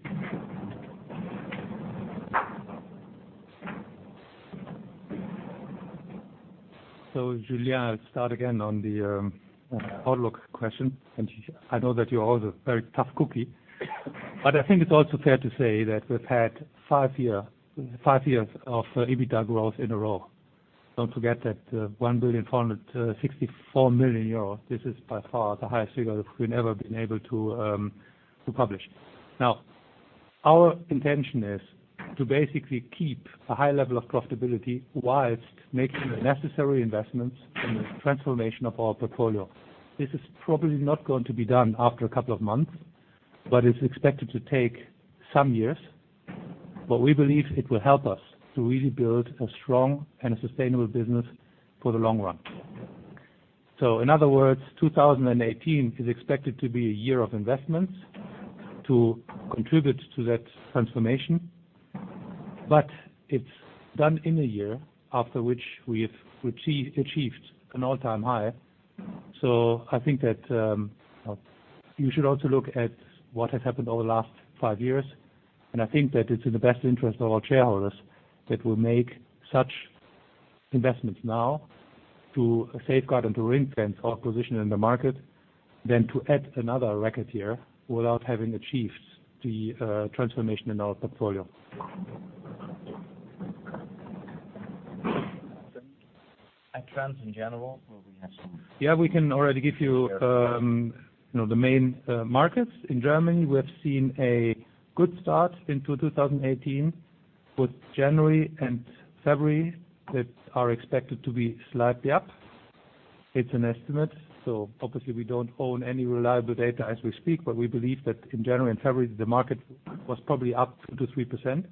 Julien, I'll start again on the outlook question. I know that you're also a very tough cookie. I think it's also fair to say that we've had 5 years of EBITDA growth in a row. Don't forget that 1,464,000,000 euros, this is by far the highest figure that we've ever been able to publish. Our intention is to basically keep a high level of profitability whilst making the necessary investments in the transformation of our portfolio. This is probably not going to be done after a couple of months, but it's expected to take some years. We believe it will help us to really build a strong and a sustainable business for the long run. In other words, 2018 is expected to be a year of investments to contribute to that transformation. It's done in a year after which we have achieved an all-time high. I think that you should also look at what has happened over the last 5 years, I think that it's in the best interest of all shareholders that we make such investments now to safeguard and to ring-fence our position in the market than to add another record year without having achieved the transformation in our portfolio. Trends in general, will we have some Yeah, we can already give you the main markets. In Germany, we have seen a good start into 2018, with January and February that are expected to be slightly up. It's an estimate. Obviously we don't own any reliable data as we speak, but we believe that in January and February, the market was probably up 2%-3%.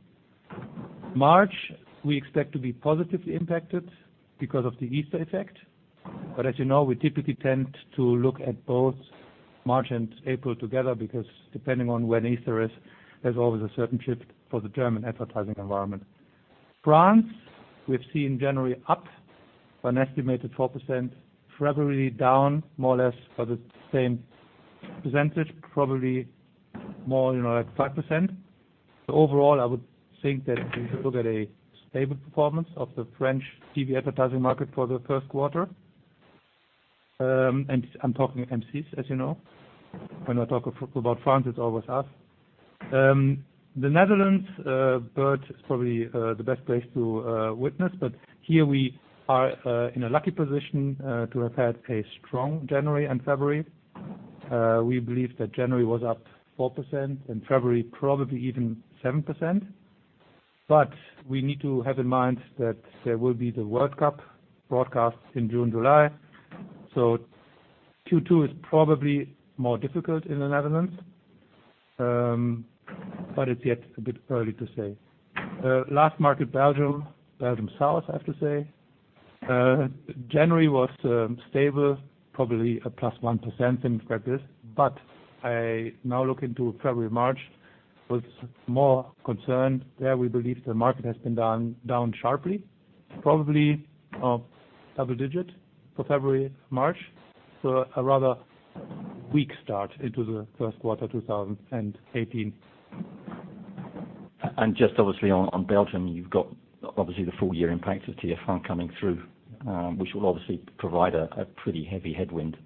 March, we expect to be positively impacted because of the Easter effect. As you know, we typically tend to look at both March and April together because depending on when Easter is, there's always a certain shift for the German advertising environment. France, we've seen January up an estimated 4%, February down more or less by the same percentage, probably more like 5%. Overall, I would think that we could look at a stable performance of the French TV advertising market for the first quarter. I'm talking M6, as you know. When I talk about France, it's always us. The Netherlands, Bert is probably the best place to witness, here we are in a lucky position to have had a strong January and February. We believe that January was up 4%, and February probably even 7%. We need to have in mind that there will be the World Cup broadcast in June, July. Q2 is probably more difficult in the Netherlands. It's yet a bit early to say. Last market, Belgium South, I have to say. January was stable, probably a plus 1% in practice. I now look into February, March with more concern. There we believe the market has been down sharply, probably double digit for February, March. A rather weak start into the first quarter 2018. just obviously on Belgium, you've got obviously the full year impact of TF1 coming through, which will obviously provide a pretty heavy headwind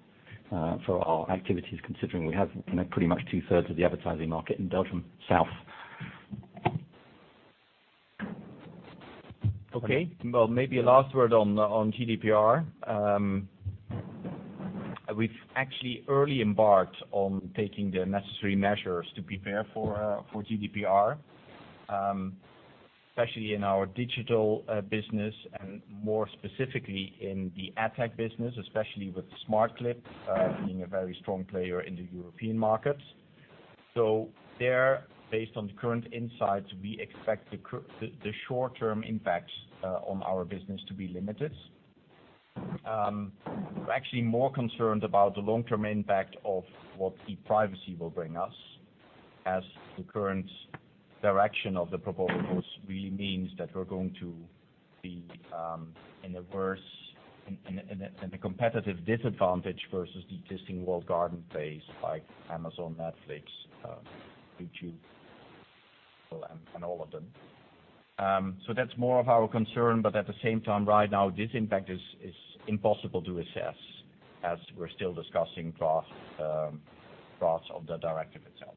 for our activities, considering we have pretty much two-thirds of the advertising market in Belgium South. Okay. Well, maybe a last word on GDPR. We've actually early embarked on taking the necessary measures to prepare for GDPR, especially in our digital business and more specifically in the AdTech business, especially with smartclip being a very strong player in the European markets. There, based on the current insights, we expect the short-term impacts on our business to be limited. We're actually more concerned about the long-term impact of what ePrivacy will bring us, as the current direction of the proposals really means that we're going to be in a competitive disadvantage versus the existing walled garden players like Amazon, Netflix, YouTube, and all of them. That's more of our concern, but at the same time, right now, this impact is impossible to assess as we're still discussing drafts of the directive itself.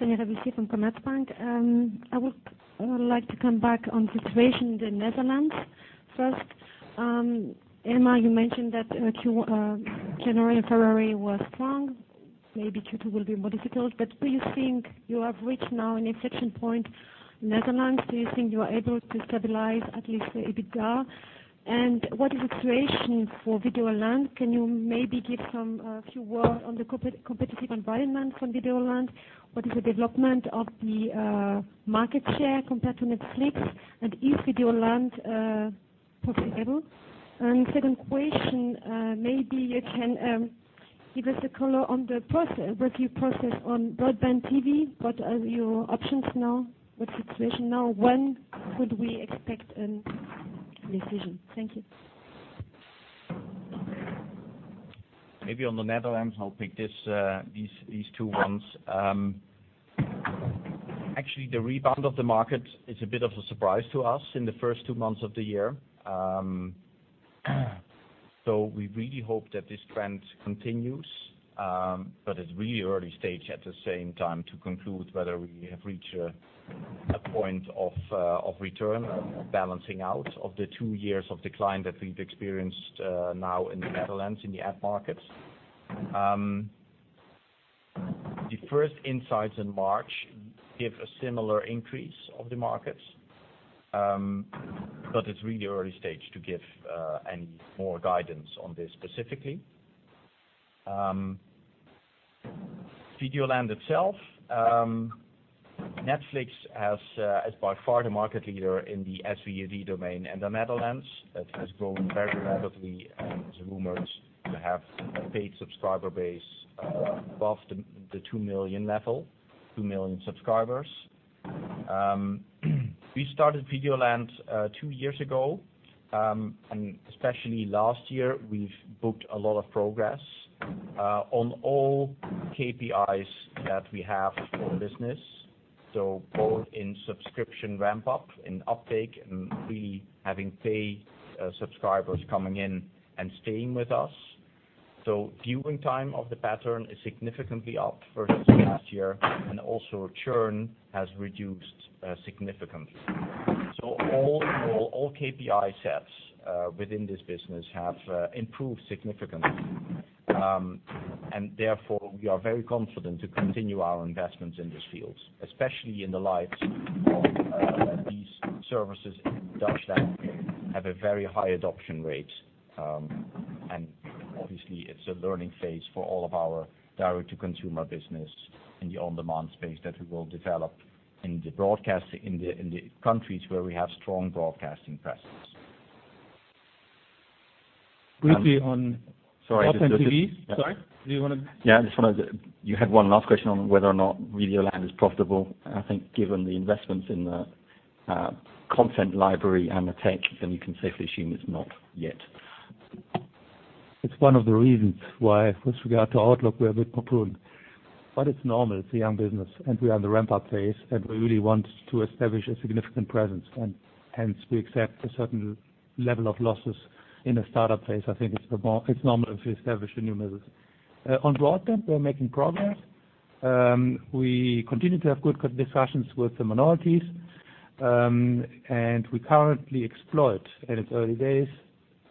Sorry. Sonia Rabussier from Commerzbank. I would like to come back on situation in the Netherlands first. Elmar, you mentioned that January and February were strong. Maybe Q2 will be more difficult, but do you think you have reached now an inflection point Netherlands? Do you think you are able to stabilize at least a bit there? What is the situation for Videoland? Can you maybe give a few words on the competitive environment on Videoland? What is the development of the market share compared to Netflix, and is Videoland profitable? Second question, maybe you can give us a color on the review process on BroadbandTV. What are your options now? What's the situation now? When could we expect a decision? Thank you. Maybe on the Netherlands, I'll pick these two ones. Actually, the rebound of the market is a bit of a surprise to us in the first two months of the year. We really hope that this trend continues. It's really early stage at the same time to conclude whether we have reached a point of return or balancing out of the two years of decline that we've experienced now in the Netherlands in the ad market. The first insights in March give a similar increase of the markets. It's really early stage to give any more guidance on this specifically. Videoland itself. Netflix is by far the market leader in the SVOD domain in the Netherlands. It has grown very rapidly, and there are rumors they have a paid subscriber base above the 2 million level, 2 million subscribers. We started Videoland two years ago, and especially last year, we've booked a lot of progress on all KPIs that we have for the business. Both in subscription ramp-up, in uptake, and really having paid subscribers coming in and staying with us. Viewing time of the pattern is significantly up versus last year, and also churn has reduced significantly. All in all KPI sets within this business have improved significantly. Therefore, we are very confident to continue our investments in this field, especially in the light of these services in the Dutch landscape have a very high adoption rate. Obviously it's a learning phase for all of our direct-to-consumer business in the on-demand space that we will develop in the countries where we have strong broadcasting presence. Briefly on BroadbandTV. Sorry. Sorry. Do you want to? Yeah, you had one last question on whether or not Videoland is profitable. I think given the investments in the content library and the tech, then we can safely assume it's not yet. It's one of the reasons why, with regard to outlook, we are a bit more prudent. It's normal. It's a young business, we are in the ramp-up phase, we really want to establish a significant presence. Hence we accept a certain level of losses in a startup phase. I think it's normal if you establish a new business. On broadband, we are making progress. We continue to have good discussions with the minorities, we currently explore it. It's early days,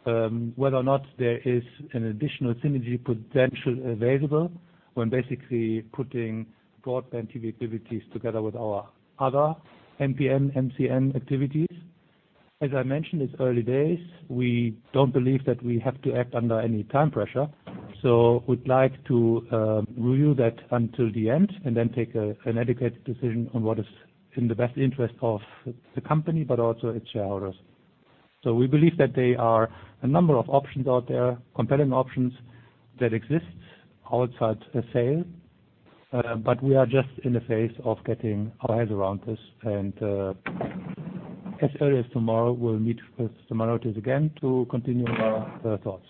whether or not there is an additional synergy potential available when basically putting BroadbandTV activities together with our other MPN, MCN activities. As I mentioned, it's early days. We don't believe that we have to act under any time pressure. We'd like to review that until the end, then take an educated decision on what is in the best interest of the company, but also its shareholders. We believe that there are a number of options out there, compelling options that exist outside a sale. We are just in the phase of getting our heads around this, as early as tomorrow, we'll meet with some minorities again to continue our thoughts.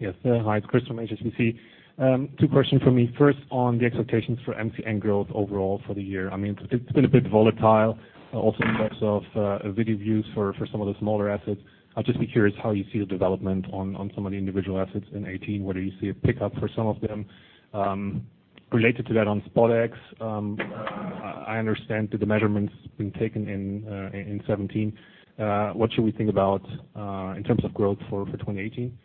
Yes. Hi, it's Chris from HSBC. Two questions for me. First, on the expectations for MCN growth overall for the year. It's been a bit volatile also in terms of video views for some of the smaller assets. I'd just be curious how you see the development on some of the individual assets in 2018. Whether you see a pickup for some of them. Related to that on SpotX. I understand that the measurements have been taken in 2017. What should we think about, in terms of growth for 2018?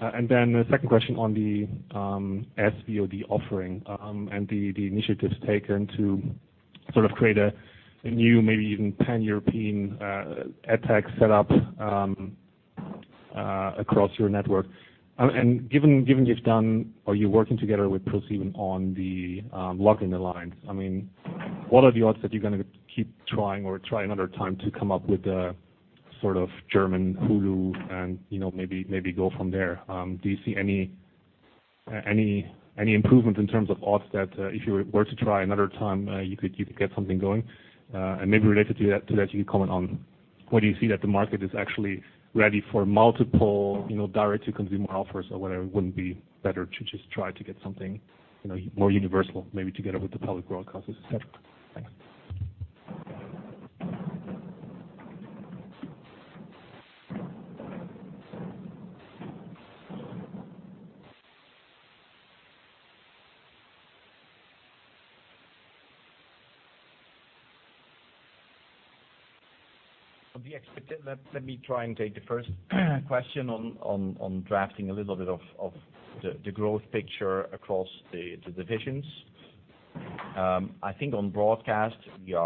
Then the second question on the SVOD offering, and the initiatives taken to create a new, maybe even pan-European, AdTech set up across your network. Given you've done, are you working together with ProSiebenSat.1 on the Login Alliance? I mean, what are the odds that you're going to keep trying or try another time to come up with a sort of German Hulu and maybe go from there. Do you see any improvements in terms of odds that, if you were to try another time, you could get something going? Maybe related to that, you could comment on whether you see that the market is actually ready for multiple direct-to-consumer offers, or whether it wouldn't be better to just try to get something more universal, maybe together with the public broadcasters, et cetera. Thanks. Let me try and take the first question on drafting a little bit of the growth picture across the divisions. I think on broadcast, we've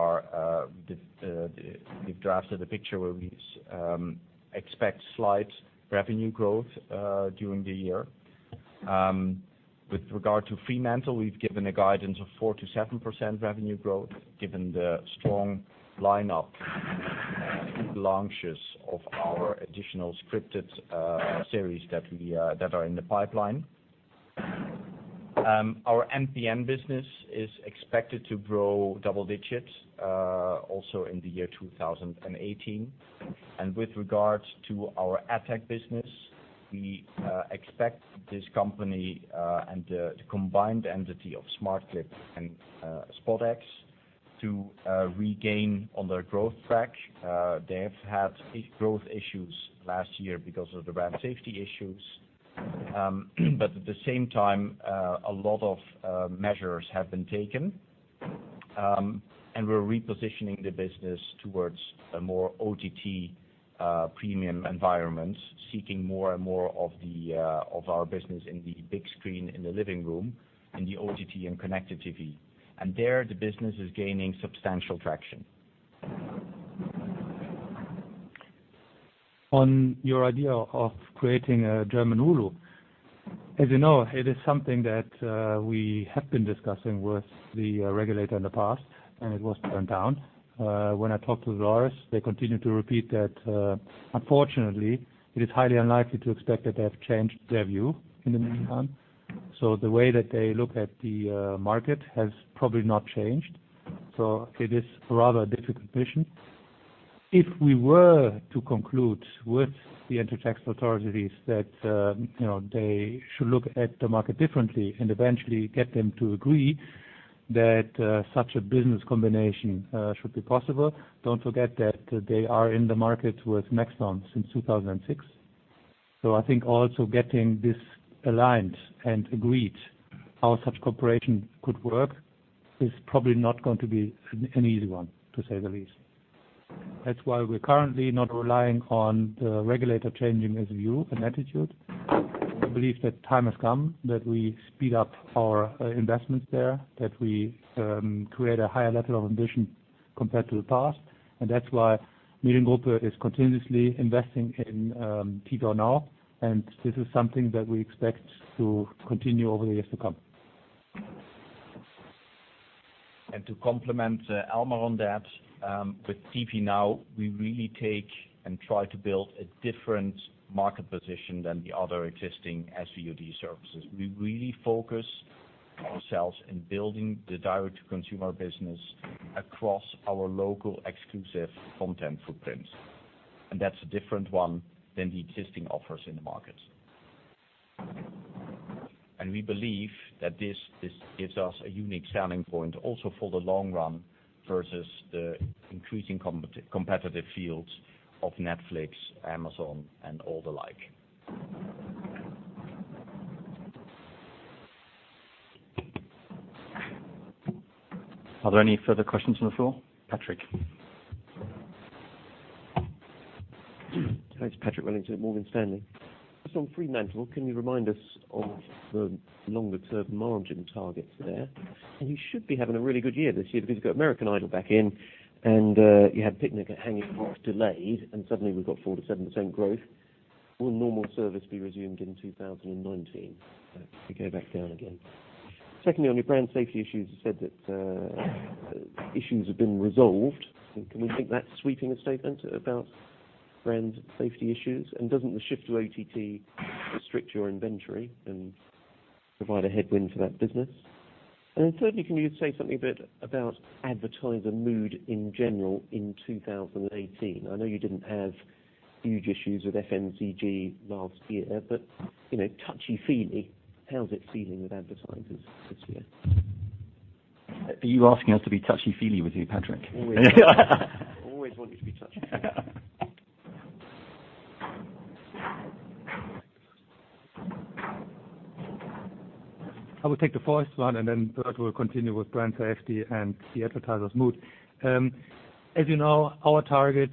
drafted a picture where we expect slight revenue growth during the year. With regard to Fremantle, we've given a guidance of 4%-7% revenue growth, given the strong lineup and good launches of our additional scripted series that are in the pipeline. Our MPN business is expected to grow double digits, also in the year 2018. With regards to our AdTech business, we expect this company, and the combined entity of smartclip and SpotX, to regain on their growth track. They have had growth issues last year because of the brand safety issues. At the same time, a lot of measures have been taken. We're repositioning the business towards a more OTT premium environment, seeking more and more of our business in the big screen in the living room, in the OTT and connected TV. There the business is gaining substantial traction. On your idea of creating a German Hulu. As you know, it is something that we have been discussing with the regulator in the past, and it was turned down. When I talked to Doris, they continued to repeat that. Unfortunately, it is highly unlikely to expect that they have changed their view in the meantime. The way that they look at the market has probably not changed. It is rather a difficult mission. If we were to conclude with the antitrust authorities that they should look at the market differently and eventually get them to agree that such a business combination should be possible. Don't forget that they are in the market with Maxdome since 2006. I think also getting this aligned and agreed how such cooperation could work is probably not going to be an easy one, to say the least. That's why we're currently not relying on the regulator changing his view and attitude. I believe that time has come that we speed up our investments there, that we create a higher level of ambition compared to the past. That's why Mediengruppe is continuously investing in TV Now, and this is something that we expect to continue over the years to come. To complement Elmar on that. With TV Now, we really take and try to build a different market position than the other existing SVOD services. We really focus ourselves in building the direct-to-consumer business across our local exclusive content footprints. That's a different one than the existing offers in the market. We believe that this gives us a unique selling point also for the long run versus the increasing competitive fields of Netflix, Amazon and all the like. Are there any further questions on the floor? Patrick? Hi, it's Patrick Wellington, Morgan Stanley. Just on Fremantle, can you remind us of the longer-term margin targets there? You should be having a really good year this year because you've got American Idol back in, and you had Picnic at Hanging Rock delayed, and suddenly we've got 4%-7% growth. Will normal service be resumed in 2019 to go back down again? Secondly, on your brand safety issues, you said that issues have been resolved. Can we take that sweeping statement about brand safety issues? Doesn't the shift to OTT restrict your inventory and provide a headwind for that business? Thirdly, can you say something a bit about advertiser mood in general in 2018? I know you didn't have huge issues with FMCG last year, touchy-feely, how's it feeling with advertisers this year? Are you asking us to be touchy-feely with you, Patrick? Always. Always want you to be touchy-feely. I will take the first one. Bert will continue with brand safety and the advertiser's mood. As you know, our target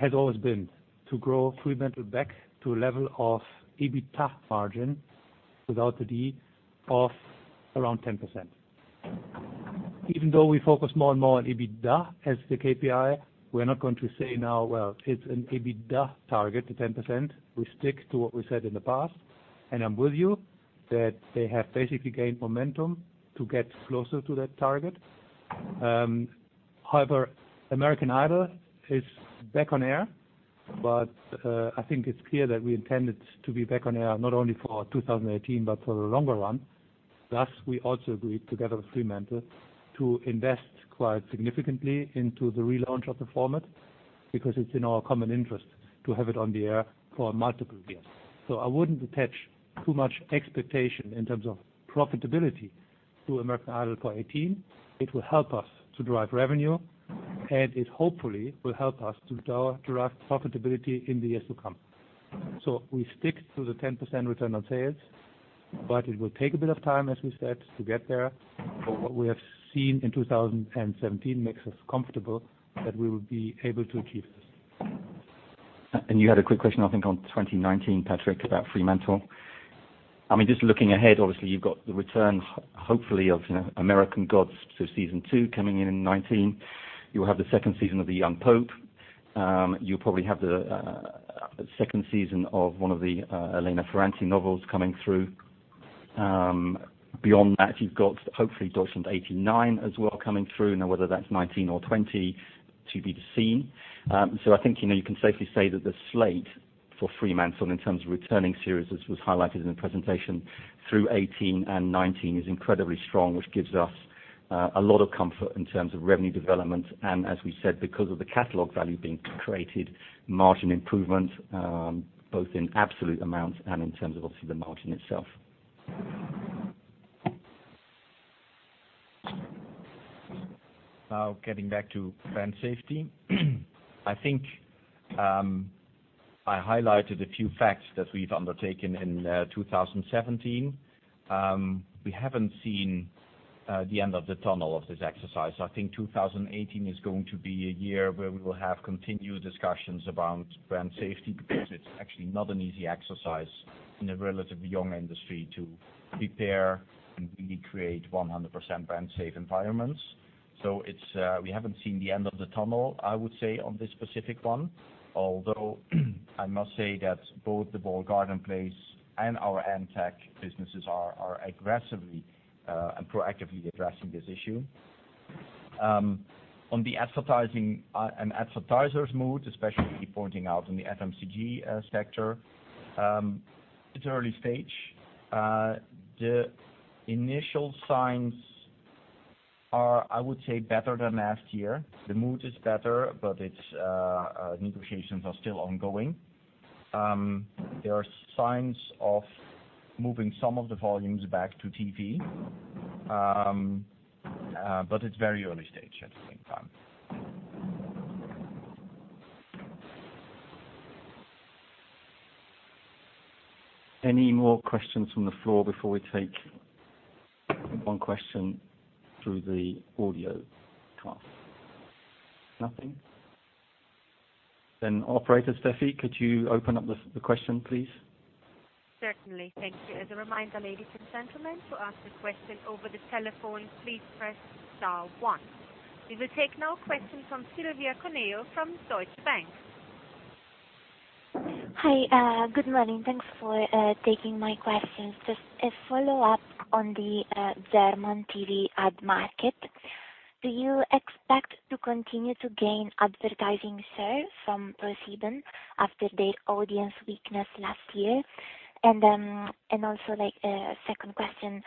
has always been to grow Fremantle back to a level of EBITDA margin, without the D, of around 10%. Even though we focus more and more on EBITDA as the KPI, we are not going to say now, well, it's an EBITDA target to 10%. We stick to what we said in the past, and I am with you that they have basically gained momentum to get closer to that target. "American Idol" is back on air, I think it's clear that we intend it to be back on air not only for 2018 but for the longer run. We also agreed together with Fremantle to invest quite significantly into the relaunch of the format because it's in our common interest to have it on the air for multiple years. I wouldn't attach too much expectation in terms of profitability to "American Idol" for 2018. It will help us to drive revenue, and it hopefully will help us to drive profitability in the years to come. We stick to the 10% return on sales. It will take a bit of time, as we said, to get there. What we have seen in 2017 makes us comfortable that we will be able to achieve this. You had a quick question, I think on 2019, Patrick, about Fremantle. Looking ahead, obviously you've got the return, hopefully, of "American Gods," so Season 2 coming in in 2019. You will have the second season of "The Young Pope." You'll probably have the second season of one of the Elena Ferrante novels coming through. Beyond that, you've got, hopefully, "Deutschland 89" as well coming through. Whether that's 2019 or 2020 to be seen. I think you can safely say that the slate for Fremantle in terms of returning series, as was highlighted in the presentation through 2018 and 2019, is incredibly strong, which gives us a lot of comfort in terms of revenue development. As we said, because of the catalog value being created, margin improvement, both in absolute amounts and in terms of, obviously, the margin itself. Getting back to brand safety. I think I highlighted a few facts that we've undertaken in 2017. We haven't seen the end of the tunnel of this exercise. I think 2018 is going to be a year where we will have continued discussions about brand safety because it's actually not an easy exercise in a relatively young industry to prepare and really create 100% brand safe environments. We haven't seen the end of the tunnel, I would say, on this specific one, although I must say that both the walled garden players and our AdTech businesses are aggressively and proactively addressing this issue. On the advertising and advertiser's mood, especially pointing out in the FMCG sector, it's early stage. The initial signs are, I would say, better than last year. The mood is better, but negotiations are still ongoing. There are signs of moving some of the volumes back to TV. It's very early stage at the same time. Any more questions from the floor before we take one question through the audio conference? Nothing? Operator, Steffi, could you open up the question, please? Certainly. Thank you. As a reminder, ladies and gentlemen, to ask a question over the telephone, please press star one. We will take now a question from Silvia Cuneo from Deutsche Bank. Hi. Good morning. Thanks for taking my questions. Just a follow-up on the German TV ad market. Do you expect to continue to gain advertising share from ProSiebenSat.1 after their audience weakness last year? Also, a second question,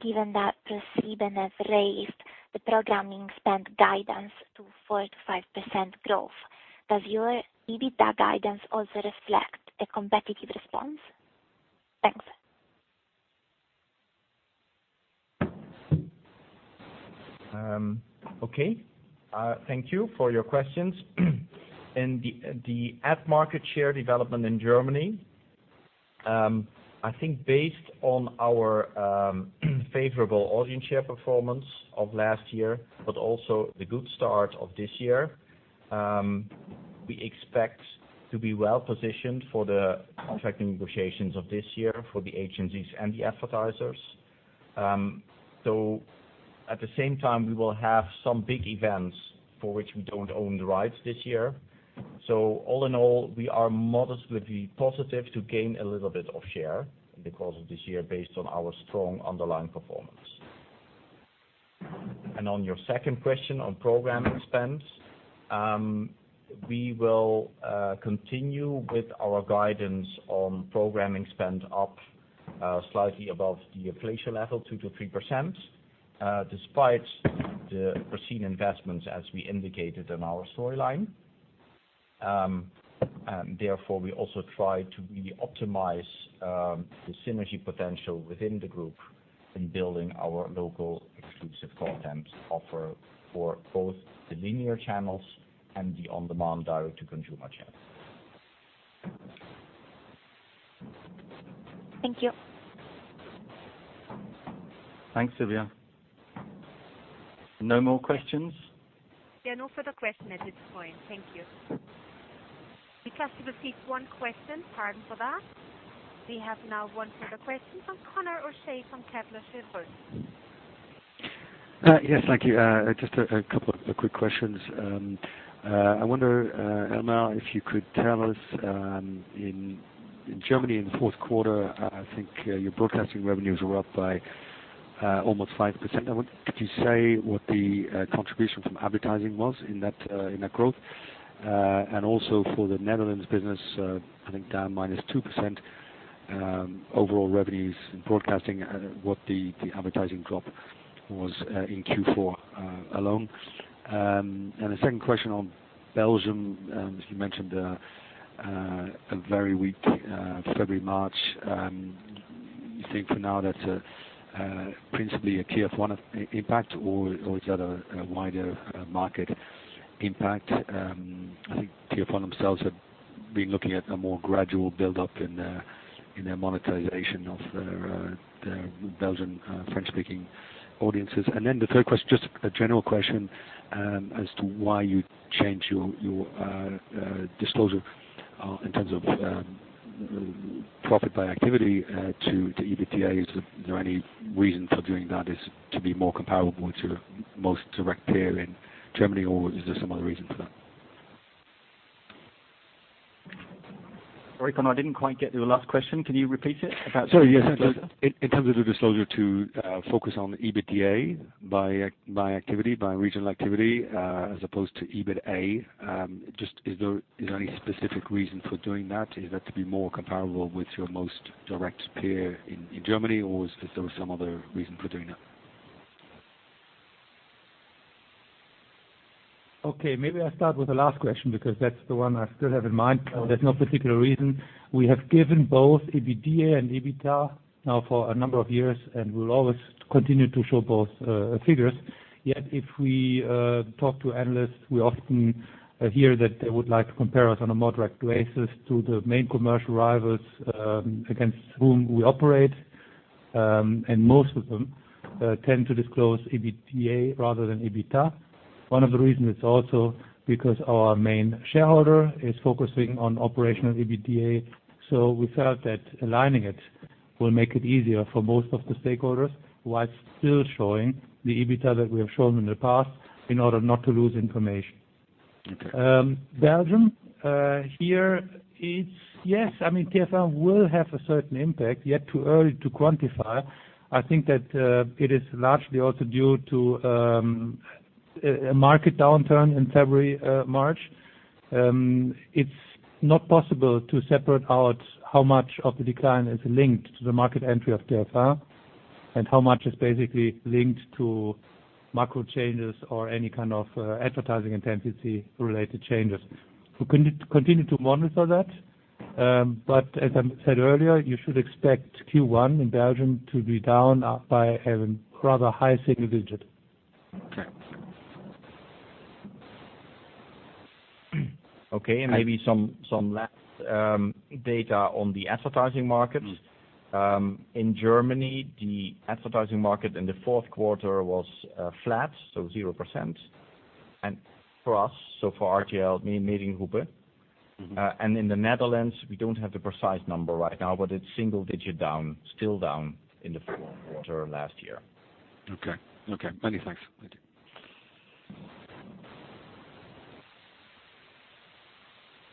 given that ProSiebenSat.1 has raised the programming spend guidance to 4%-5% growth, does your EBITDA guidance also reflect a competitive response? Thanks. Okay. Thank you for your questions. The ad market share development in Germany, I think based on our favorable audience share performance of last year, but also the good start of this year, we expect to be well-positioned for the contracting negotiations of this year for the agencies and the advertisers. At the same time, we will have some big events for which we don't own the rights this year. All in all, we are modestly positive to gain a little bit of share in the course of this year based on our strong underlying performance. On your second question on programming spends, we will continue with our guidance on programming spend up slightly above the inflation level 2%-3%, despite the foreseen investments as we indicated in our storyline. Therefore, we also try to really optimize the synergy potential within the group in building our local exclusive content offer for both the linear channels and the on-demand direct-to-consumer channels. Thank you. Thanks, Silvia. No more questions? There are no further questions at this point. Thank you. We seem to have one question. Pardon for that. We have now one further question from Conor O'Shea from Kepler Cheuvreux. Yes. Thank you. Just a couple of quick questions. I wonder, Elmar, if you could tell us in Germany in the fourth quarter, I think your broadcasting revenues were up by almost 5%. Could you say what the contribution from advertising was in that growth? Also for the Netherlands business, I think down -2% overall revenues in broadcasting, what the advertising drop was in Q4 alone. The second question on Belgium, you mentioned a very weak February, March. Do you think for now that's principally a TF1 impact, or is that a wider market impact? I think TF1 themselves have been looking at a more gradual buildup in their monetization of their Belgian French-speaking audiences. The third question, just a general question as to why you changed your disclosure in terms of profit by activity to EBITDA. Is there any reason for doing that, is it to be more comparable to most direct peer in Germany, or is there some other reason for that? Sorry, Conor, I didn't quite get your last question. Can you repeat it? Sorry, yes. In terms of the disclosure to focus on EBITDA by regional activity as opposed to EBITA. Is there any specific reason for doing that? Is that to be more comparable with your most direct peer in Germany, or is there some other reason for doing that? Okay, maybe I'll start with the last question because that's the one I still have in mind. There's no particular reason. We have given both EBITDA and EBITA now for a number of years, and we'll always continue to show both figures. Yet, if we talk to analysts, we often hear that they would like to compare us on a more direct basis to the main commercial rivals against whom we operate. Most of them tend to disclose EBITDA rather than EBITA. One of the reasons is also because our main shareholder is focusing on operational EBITDA, we felt that aligning it will make it easier for most of the stakeholders while still showing the EBITA that we have shown in the past in order not to lose information. Belgium. Here, yes, TF1 will have a certain impact, yet too early to quantify. I think that it is largely also due to a market downturn in February, March. It's not possible to separate out how much of the decline is linked to the market entry of TF1 and how much is basically linked to macro changes or any kind of advertising intensity-related changes. We continue to monitor that. As I said earlier, you should expect Q1 in Belgium to be down by a rather high single digit. Okay. Okay. Maybe some last data on the advertising market. In Germany, the advertising market in the fourth quarter was flat, so 0%. For us, so for RTL Mediengruppe. In the Netherlands, we don't have the precise number right now, but it's single digit down, still down in the fourth quarter of last year. Okay. Many thanks.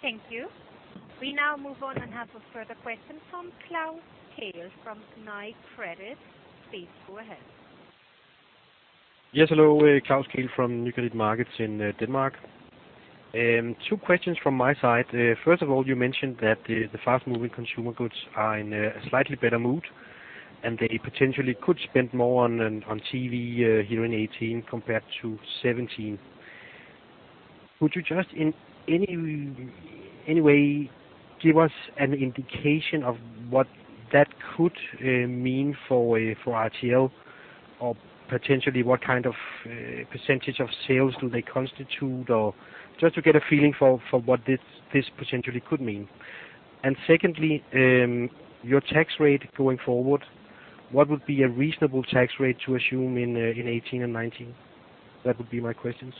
Thank you. Thank you. We now move on and have a further question from Klaus Kehl from Nykredit. Please go ahead. Yes, hello. Klaus Kehl from Nykredit Markets in Denmark. Two questions from my side. First of all, you mentioned that the fast-moving consumer goods are in a slightly better mood, and they potentially could spend more on TV here in 2018 compared to 2017. Would you just in any way give us an indication of what that could mean for RTL or potentially what kind of percentage of sales do they constitute, or just to get a feeling for what this potentially could mean? Secondly, your tax rate going forward, what would be a reasonable tax rate to assume in 2018 and 2019? That would be my questions.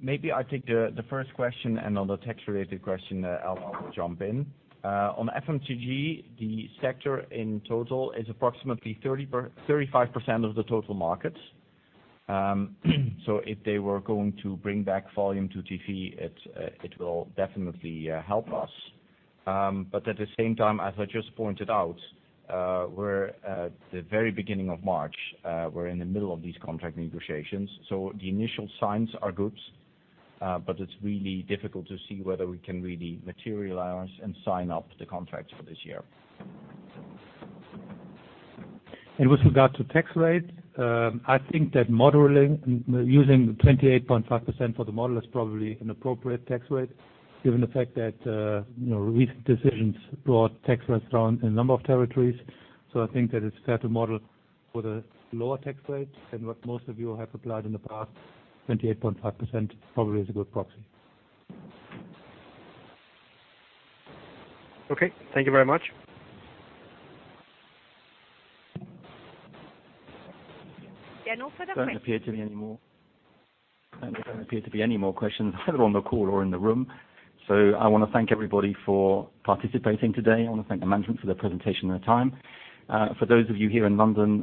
Maybe I take the first question, and on the tax-related question, Elmar will jump in. On FMCG, the sector in total is approximately 35% of the total market. If they were going to bring back volume to TV, it will definitely help us. At the same time, as I just pointed out, we are at the very beginning of March. We are in the middle of these contract negotiations. The initial signs are good, but it is really difficult to see whether we can really materialize and sign up the contracts for this year. With regard to tax rate, I think that using the 28.5% for the model is probably an appropriate tax rate given the fact that recent decisions brought tax rates down in a number of territories. I think that it is fair to model with a lower tax rate than what most of you have applied in the past. 28.5% probably is a good proxy. Okay. Thank you very much. Daniel, further questions? There don't appear to be any more questions either on the call or in the room. I want to thank everybody for participating today. I want to thank the management for their presentation and their time. For those of you here in London,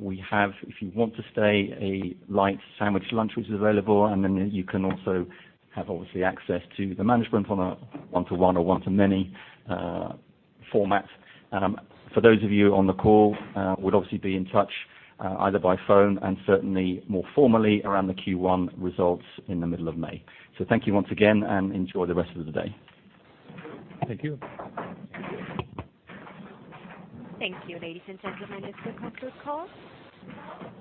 we have, if you want to stay, a light sandwich lunch which is available, and then you can also have, obviously, access to the management on a one-to-one or one-to-many format. For those of you on the call, we'll obviously be in touch either by phone and certainly more formally around the Q1 results in the middle of May. Thank you once again, and enjoy the rest of the day. Thank you. Thank you. Thank you, ladies and gentlemen. This will conclude the call.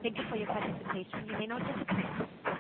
Thank you for your participation. You may now disconnect.